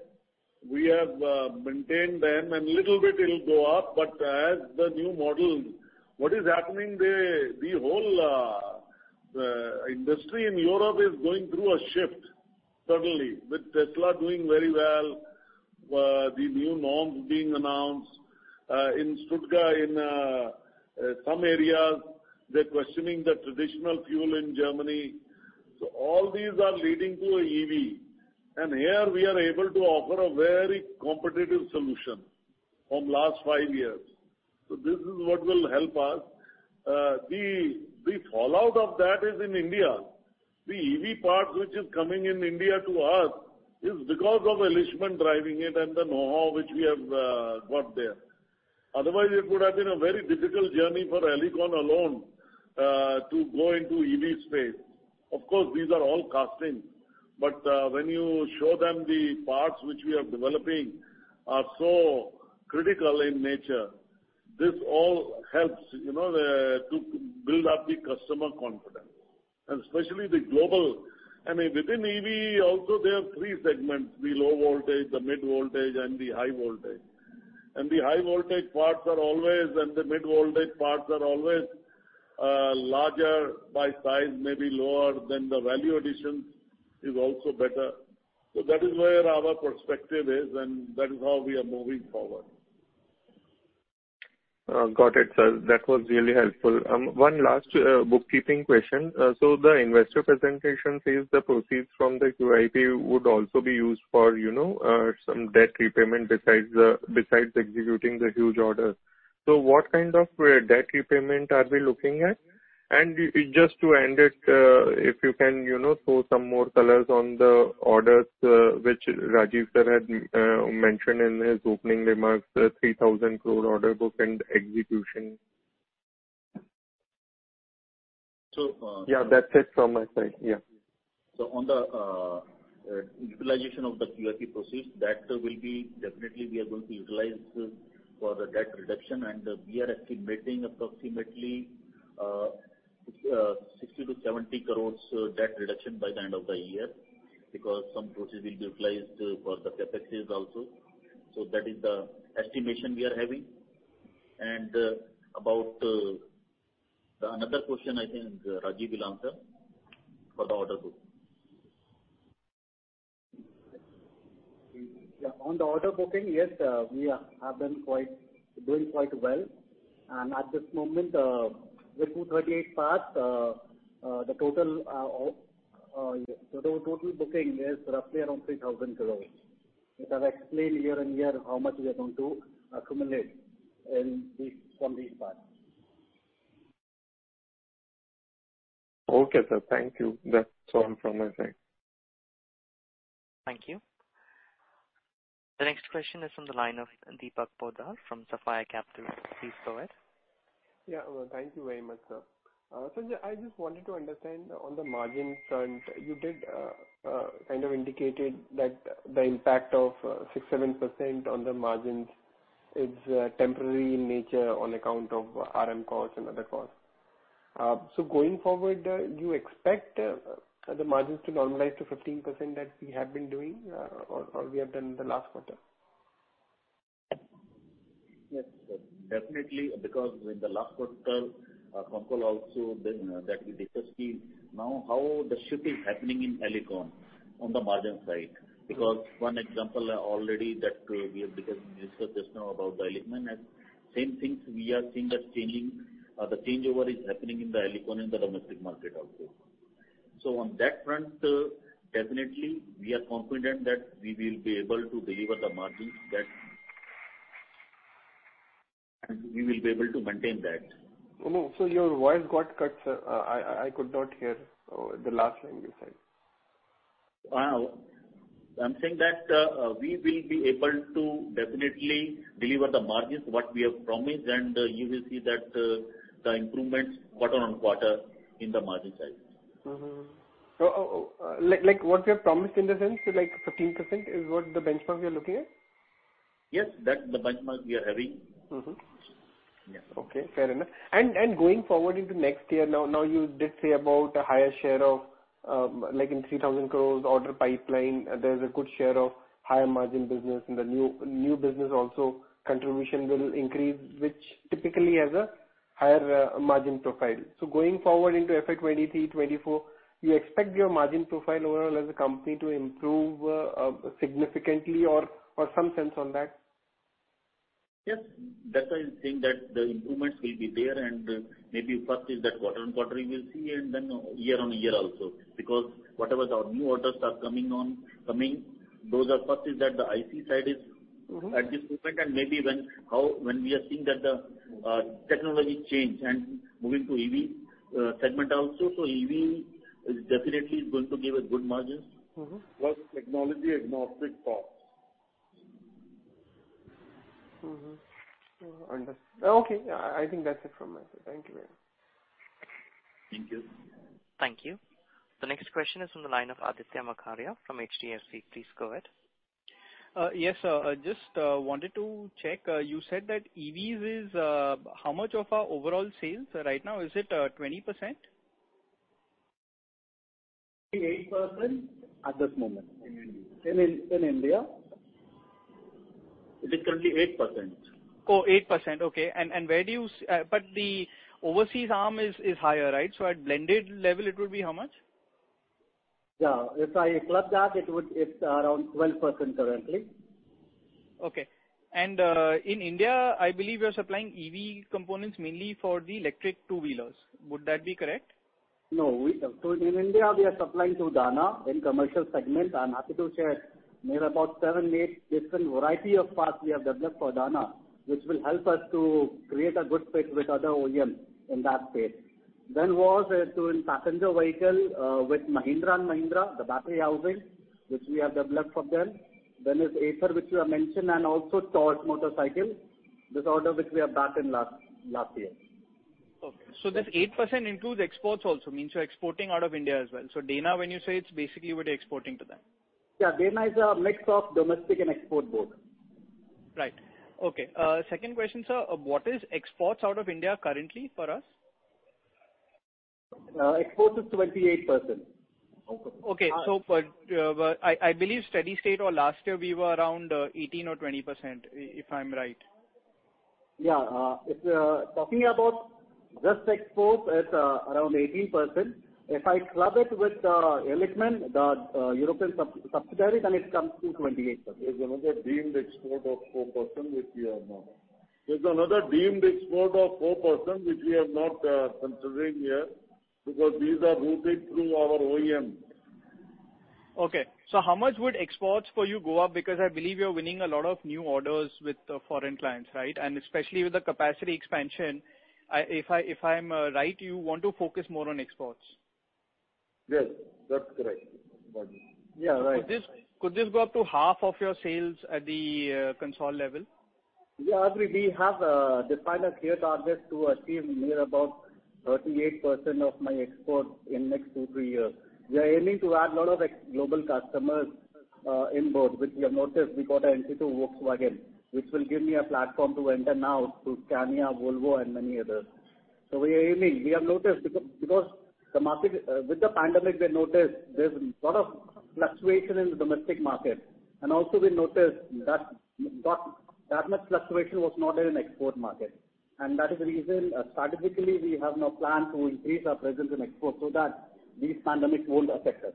we have maintained them, and little bit it'll go up. As the new model, what is happening, the whole industry in Europe is going through a shift suddenly, with Tesla doing very well, the new norms being announced. In Stuttgart, in some areas, they're questioning the traditional fuel in Germany. All these are leading to EV. Here we are able to offer a very competitive solution from last five years. This is what will help us. The fallout of that is in India. The EV part which is coming in India to us is because of Illichmann driving it and the know-how which we have got there. Otherwise, it would have been a very difficult journey for Alicon alone to go into EV space. Of course, these are all castings. When you show them the parts which we are developing are so critical in nature, this all helps to build up the customer confidence. Especially the global, and within EV also, there are three segments: the low voltage, the mid voltage, and the high voltage. The high voltage parts are always, and the mid voltage parts are always larger by size, maybe lower, then the value addition is also better. That is where our perspective is, and that is how we are moving forward. Got it, sir. That was really helpful. One last bookkeeping question. The investor presentation says the proceeds from the QIP would also be used for some debt repayment besides executing the huge order. What kind of debt repayment are we looking at? Just to end it, if you can throw some more colors on the orders which Rajeev sir had mentioned in his opening remarks, the 3,000 crore order book and execution. So- Yeah, that's it from my side. Yeah. On the utilization of the QIP proceeds, that will be definitely we are going to utilize for the debt reduction. We are estimating approximately 60 crore-70 crore debt reduction by the end of the year, because some proceeds will be utilized for the CapEx also. That is the estimation we are having. About another question, I think Rajeev will answer for the order book. Yeah, on the order booking, yes, we have been doing quite well. At this moment with 238 parts, the total booking is roughly around 3,000 crore. As I explained year-on-year, how much we are going to accumulate from these parts. Okay, sir. Thank you. That's all from my side. Thank you. The next question is from the line of Deepak Poddar from Sapphire Capital. Please go ahead. Yeah. Thank you very much, sir. Sanjeev, I just wanted to understand on the margins front, you did kind of indicated that the impact of 6%-7% on the margins is temporary in nature on account of RM costs and other costs. Going forward, do you expect the margins to normalize to 15% that we have been doing or we have done in the last quarter? Yes, sir. Definitely. With the last quarter, our control also that we discussed is now how the shift is happening in Alicon on the margin side. One example already that we have, because we discussed just now about the Illichmann and same things we are seeing the changeover is happening in Alicon in the domestic market also. On that front, definitely, we are confident that we will be able to deliver the margins and we will be able to maintain that. Sir, your voice got cut. I could not hear the last line you said. I'm saying that we will be able to definitely deliver the margins, what we have promised, and you will see that the improvements quarter on quarter in the margin side. Mm-hmm. What we have promised in the sense, so 15% is what the benchmark we are looking at? Yes, that's the benchmark we are having. Yes. Okay, fair enough. Going forward into next year now, you did say about a higher share of, like in 3,000 crore order pipeline, there's a good share of higher margin business. The new business also contribution will increase, which typically has a higher margin profile. Going forward into FY 2023, 2024, you expect your margin profile overall as a company to improve significantly or some sense on that? Yes. That's why I'm saying that the improvements will be there, maybe first is that quarter-on-quarter you will see, and then year-on-year also. Whatever our new orders are coming, those are first is that the IC side is at this moment, and maybe when we are seeing that the technology change and moving to EV segment also, so EV definitely is going to give us good margins. Well, technology agnostic parts. Okay. I think that's it from my side. Thank you very much. Thank you. Thank you. The next question is from the line of Aditya Makharia from HDFC. Please go ahead. Yes, sir. Just wanted to check. You said that EVs is how much of our overall sales right now, is it 20%? Currently 8% at this moment in India. It is currently 8%. Oh, 8%. Okay. The overseas arm is higher, right? At blended level, it would be how much? Yeah. If I club that, it's around 12% currently. Okay. In India, I believe you're supplying EV components mainly for the electric two-wheelers. Would that be correct? No. In India, we are supplying to Dana in commercial segment. I'm happy to share, maybe about seven, eight different variety of parts we have developed for Dana, which will help us to create a good fit with other OEMs in that space. Was to in passenger vehicle with Mahindra & Mahindra, the battery housing, which we have developed for them. Is Ather, which you have mentioned, and also Tork Motors, this order which we have got in last year. Okay. This 8% includes exports also. Means you're exporting out of India as well. Dana, when you say, it's basically what you're exporting to them. Yeah, Dana is a mix of domestic and export both. Right. Okay. Second question, sir. What is exports out of India currently for us? Exports is 28%. I believe steady state or last year we were around 18% or 20%, if I'm right. Yeah. If talking about just export, it is around 18%. If I club it with the Illichmann, the European subsidiary, then it comes to 28%. There's another deemed export of 4% which we have not considering here because these are routed through our OEM. Okay. How much would exports for you go up? Because I believe you're winning a lot of new orders with foreign clients, right? Especially with the capacity expansion, if I'm right, you want to focus more on exports. Yes, that's correct. Yeah, right. Could this go up to half of your sales at the consolidated level? Yeah, we have defined a clear target to achieve near about 38% of my export in next two-three years. We are aiming to add lot of global customers in both, which you have noticed we got into Volkswagen, which will give me a platform to enter now to Scania, Volvo and many others. We are aiming. With the pandemic, we have noticed there's lot of fluctuation in the domestic market. Also we noticed that much fluctuation was not there in export market. That is the reason strategically we have now planned to increase our presence in export so that these pandemics won't affect us.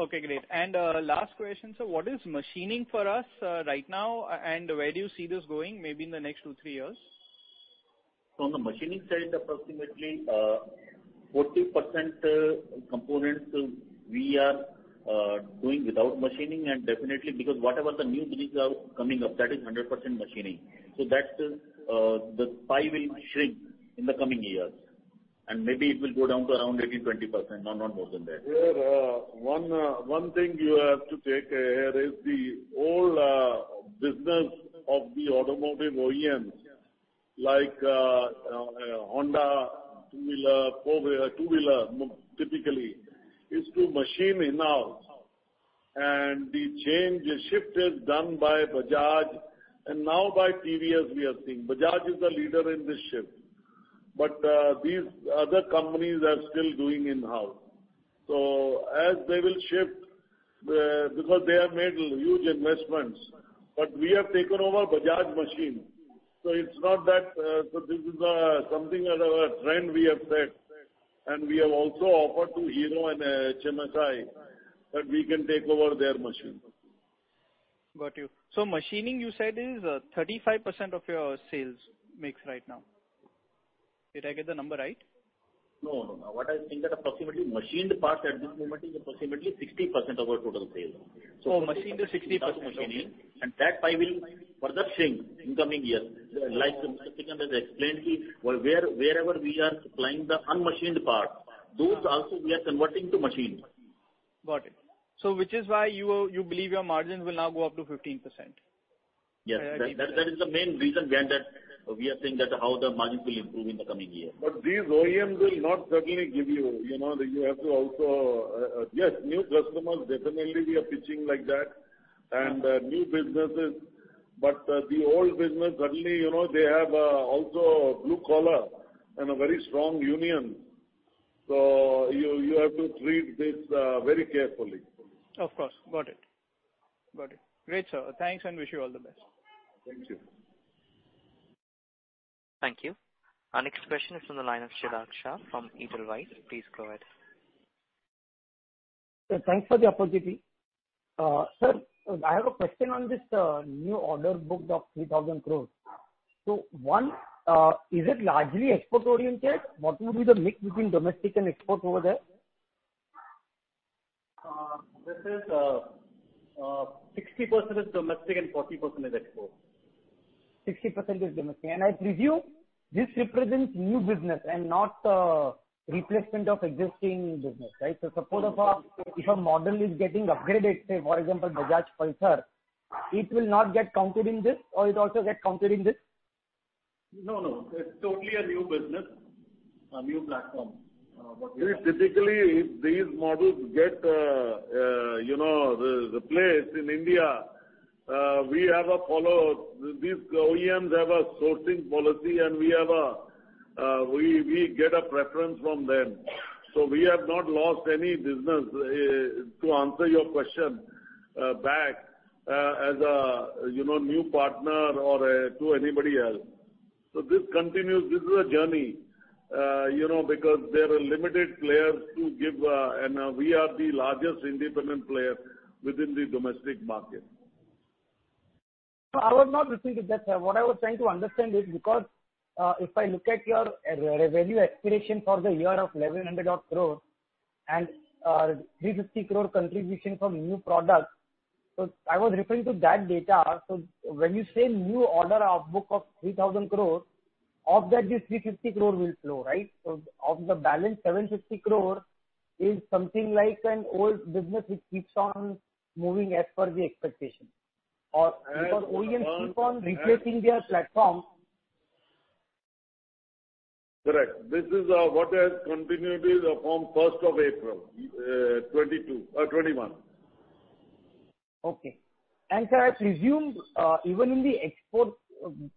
Okay, great. Last question, sir. What is machining for us right now, and where do you see this going maybe in the next two, three years? From the machining side, approximately 40% components we are doing without machining. Definitely because whatever the new releases are coming up, that is 100% machining. So that the pie will shrink in the coming years, and maybe it will go down to around maybe 20%, not more than that. Here, one thing you have to take care is the whole business of the automotive OEMs, like Honda two-wheeler, typically, is to machine in-house. The change, the shift is done by Bajaj, and now by TVS, we are seeing. Bajaj is the leader in this shift. These other companies are still doing in-house. As they will shift, because they have made huge investments, but we have taken over Bajaj machine. This is something, a trend we have set, and we have also offered to Hero and HMSI that we can take over their machine. Got you. Machining, you said, is 35% of your sales mix right now. Did I get the number right? No. What I think that approximately machined parts at this moment is approximately 60% of our total sales. Machined is 60%. Machined. That pie will further shrink in coming years. Like, wherever we are supplying the unmachined part, those also we are converting to machined. Got it. Which is why you believe your margins will now go up to 15%. Yes. That is the main reason we are saying that how the margins will improve in the coming year. These OEMs will not suddenly give you. Yes, new customers, definitely we are pitching like that, and new businesses. The old business, suddenly, they have also blue collar and a very strong union. You have to treat this very carefully. Of course. Got it. Great, sir. Thanks, and wish you all the best. Thank you. Thank you. Our next question is from the line of Sidhak Shah from Edelweiss. Please go ahead. Thanks for the opportunity. Sir, I have a question on this new order book of 3,000 crores. Is it largely export-oriented? What would be the mix between domestic and export over there? This is 60% is domestic and 40% is export. 60% is domestic. I presume this represents new business and not replacement of existing business. Right? Suppose if a model is getting upgraded, say for example, Bajaj Pulsar, it will not get counted in this, or it also get counted in this? No. It's totally a new business, a new platform. Typically, these models get replaced in India. These OEMs have a sourcing policy, we get a preference from them. We have not lost any business, to answer your question back, as a new partner or to anybody else. This continues. This is a journey because there are limited players to give, we are the largest independent player within the domestic market. No, I was not referring to that, sir. What I was trying to understand is because if I look at your revenue aspiration for the year of 1,100 odd crore and 350 crore contribution from new products, I was referring to that data. When you say new order book of 3,000 crore, of that the 350 crore will flow, right? Of the balance, 750 crore is something like an old business which keeps on moving as per the expectation. Because OEMs keep on replacing their platform. Correct. This is what has continued from April 1st, 2021. Okay. Sir, I presume even in the export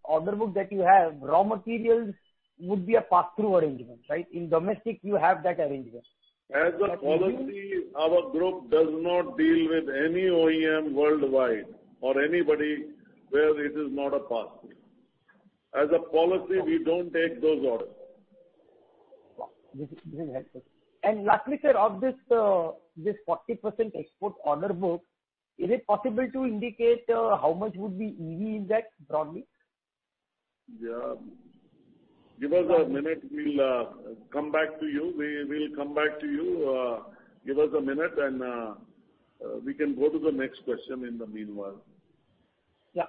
order book that you have, raw materials would be a pass-through arrangement, right? In domestic, you have that arrangement. As a policy, our group does not deal with any OEM worldwide or anybody where it is not a pass-through. As a policy, we don't take those orders. This is helpful. Lastly, sir, of this 40% export order book, is it possible to indicate how much would be EV in that, broadly? Give us a minute. We'll come back to you. Give us a minute and we can go to the next question in the meanwhile. Yeah.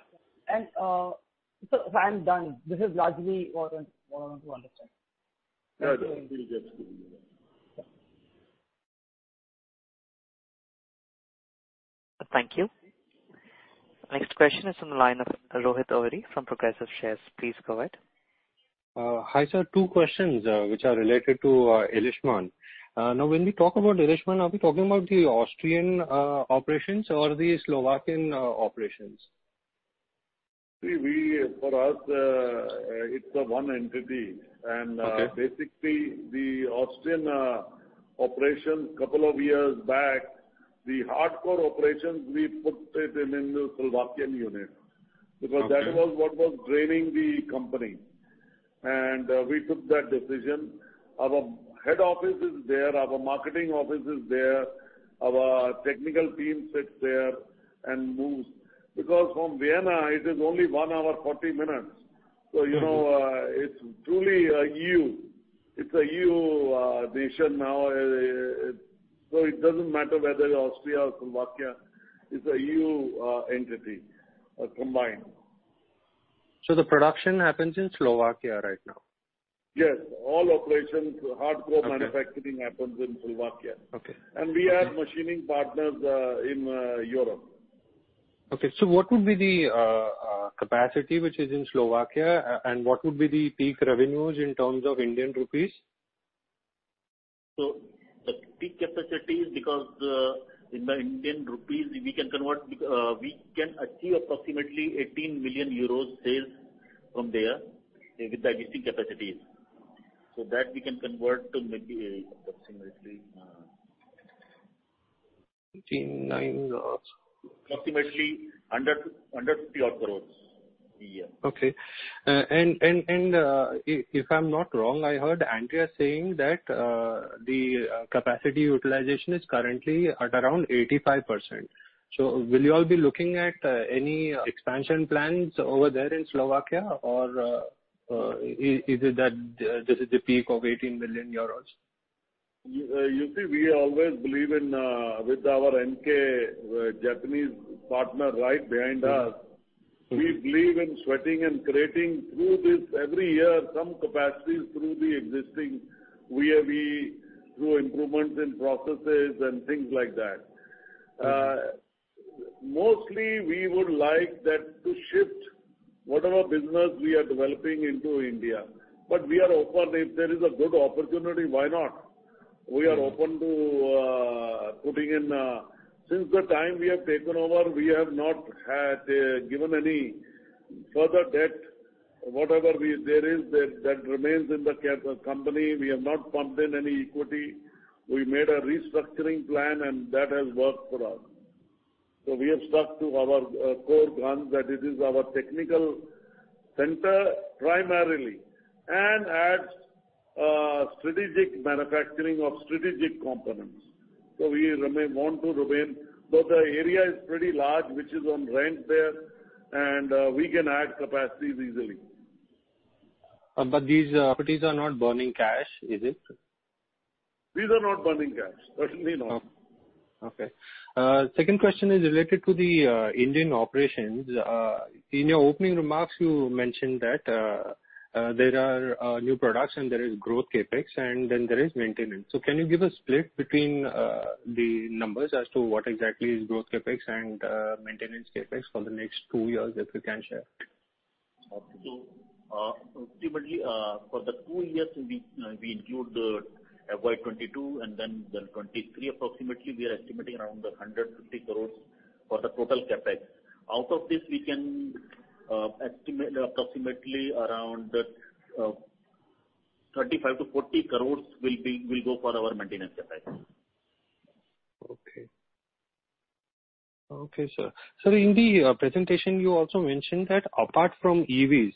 Sir, I am done. This is largely what I want to understand. We'll get to you. Thank you. Next question is from the line of Rohit Ohri from Progressive Shares. Please go ahead. Hi, sir. two questions which are related to Illichmann. When we talk about Illichmann, are we talking about the Austrian operations or the Slovakian operations? For us, it's one entity. Okay. Basically, the Austrian operation, couple of years back, the hardcore operations, we put it in the Slovakian unit. Okay. Because that was what was draining the company. We took that decision. Our head office is there, our marketing office is there, our technical team sits there and moves. Because from Vienna, it is only one hour 40 minutes. It's truly EU. It's a EU nation now. It doesn't matter whether Austria or Slovakia, it's a EU entity combined. The production happens in Slovakia right now? Yes. All operations, hardcore manufacturing happens in Slovakia. Okay. We have machining partners in Europe. Okay. What would be the capacity which is in Slovakia and what would be the peak revenues in terms of Indian rupees? The peak capacity is because in the Indian rupees, we can achieve approximately 18 million euros sales from there with the existing capacities. That we can convert to maybe approximately- 18, 9. Approximately INR 150 crores a year. Okay. If I'm not wrong, I heard Andreas saying that the capacity utilization is currently at around 85%. Will you all be looking at any expansion plans over there in Slovakia or is it that this is the peak of 18 million euros? You see, we always believe in, with our Enkei Japanese partner right behind us, we believe in sweating and creating through this every year, some capacities through the existing. We have improved in processes and things like that. Okay. Mostly, we would like that to shift whatever business we are developing into India. We are open. If there is a good opportunity, why not? Since the time we have taken over, we have not given any further debt. Whatever there is, that remains in the company. We have not pumped in any equity. We made a restructuring plan, and that has worked for us. We have stuck to our core guns that it is our technical center primarily, and as strategic manufacturing of strategic components. We want to remain. The area is pretty large, which is on rent there, and we can add capacities easily. These properties are not burning cash, is it? These are not burning cash, certainly not. Okay. Second question is related to the Indian operations. In your opening remarks, you mentioned that there are new products and there is growth CapEx, and then there is maintenance. Can you give a split between the numbers as to what exactly is growth CapEx and maintenance CapEx for the next two years, if you can share? Presumably, for the two years, we include FY 2022 and then 2023, approximately, we are estimating around 150 crores for the total CapEx. Out of this, we can estimate approximately around 35 to 40 crores will go for our maintenance CapEx. Okay. Okay, sir. Sir, in the presentation, you also mentioned that apart from EVs,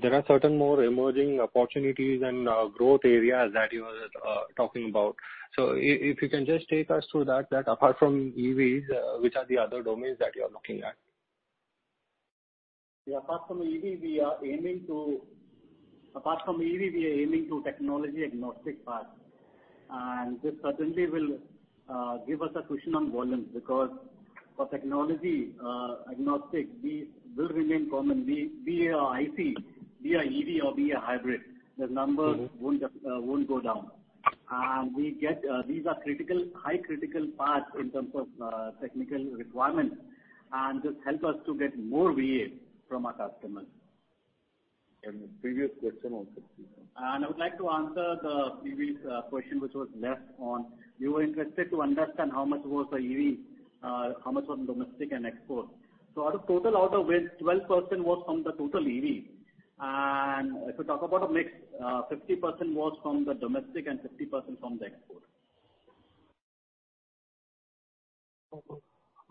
there are certain more emerging opportunities and growth areas that you were talking about. If you can just take us through that, apart from EVs, which are the other domains that you are looking at? Yeah. Apart from EV, we are aiming to technology agnostic parts. This certainly will give us a cushion on volumes because for technology agnostics, these will remain common, be it IC, be it EV or be a hybrid. The numbers won't go down. These are high critical parts in terms of technical requirements, and this helps us to get more VA from our customers. The previous question also. I would like to answer the previous question which was left on, you were interested to understand how much was the EV, how much was domestic and export. Out of total orders, 12% was from the total EV. If you talk about a mix, 50% was from the domestic and 50% from the export.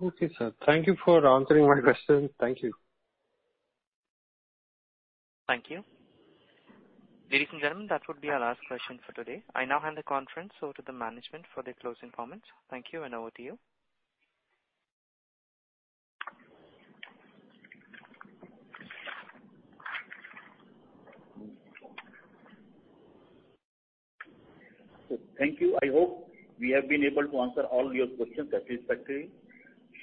Okay, sir. Thank you for answering my question. Thank you. Thank you. Ladies and gentlemen, that would be our last question for today. I now hand the conference over to the management for their closing comments. Thank you, and over to you. Thank you. I hope we have been able to answer all your questions satisfactorily.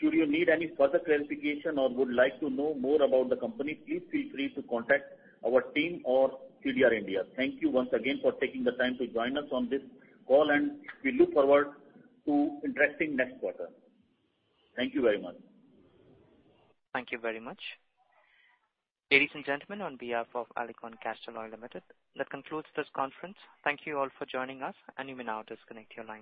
Should you need any further clarification or would like to know more about the company, please feel free to contact our team or CDR India. Thank you once again for taking the time to join us on this call, and we look forward to interacting next quarter. Thank you very much. Thank you very much. Ladies and gentlemen, on behalf of Alicon Castalloy Limited, that concludes this conference. Thank you all for joining us, and you may now disconnect your lines.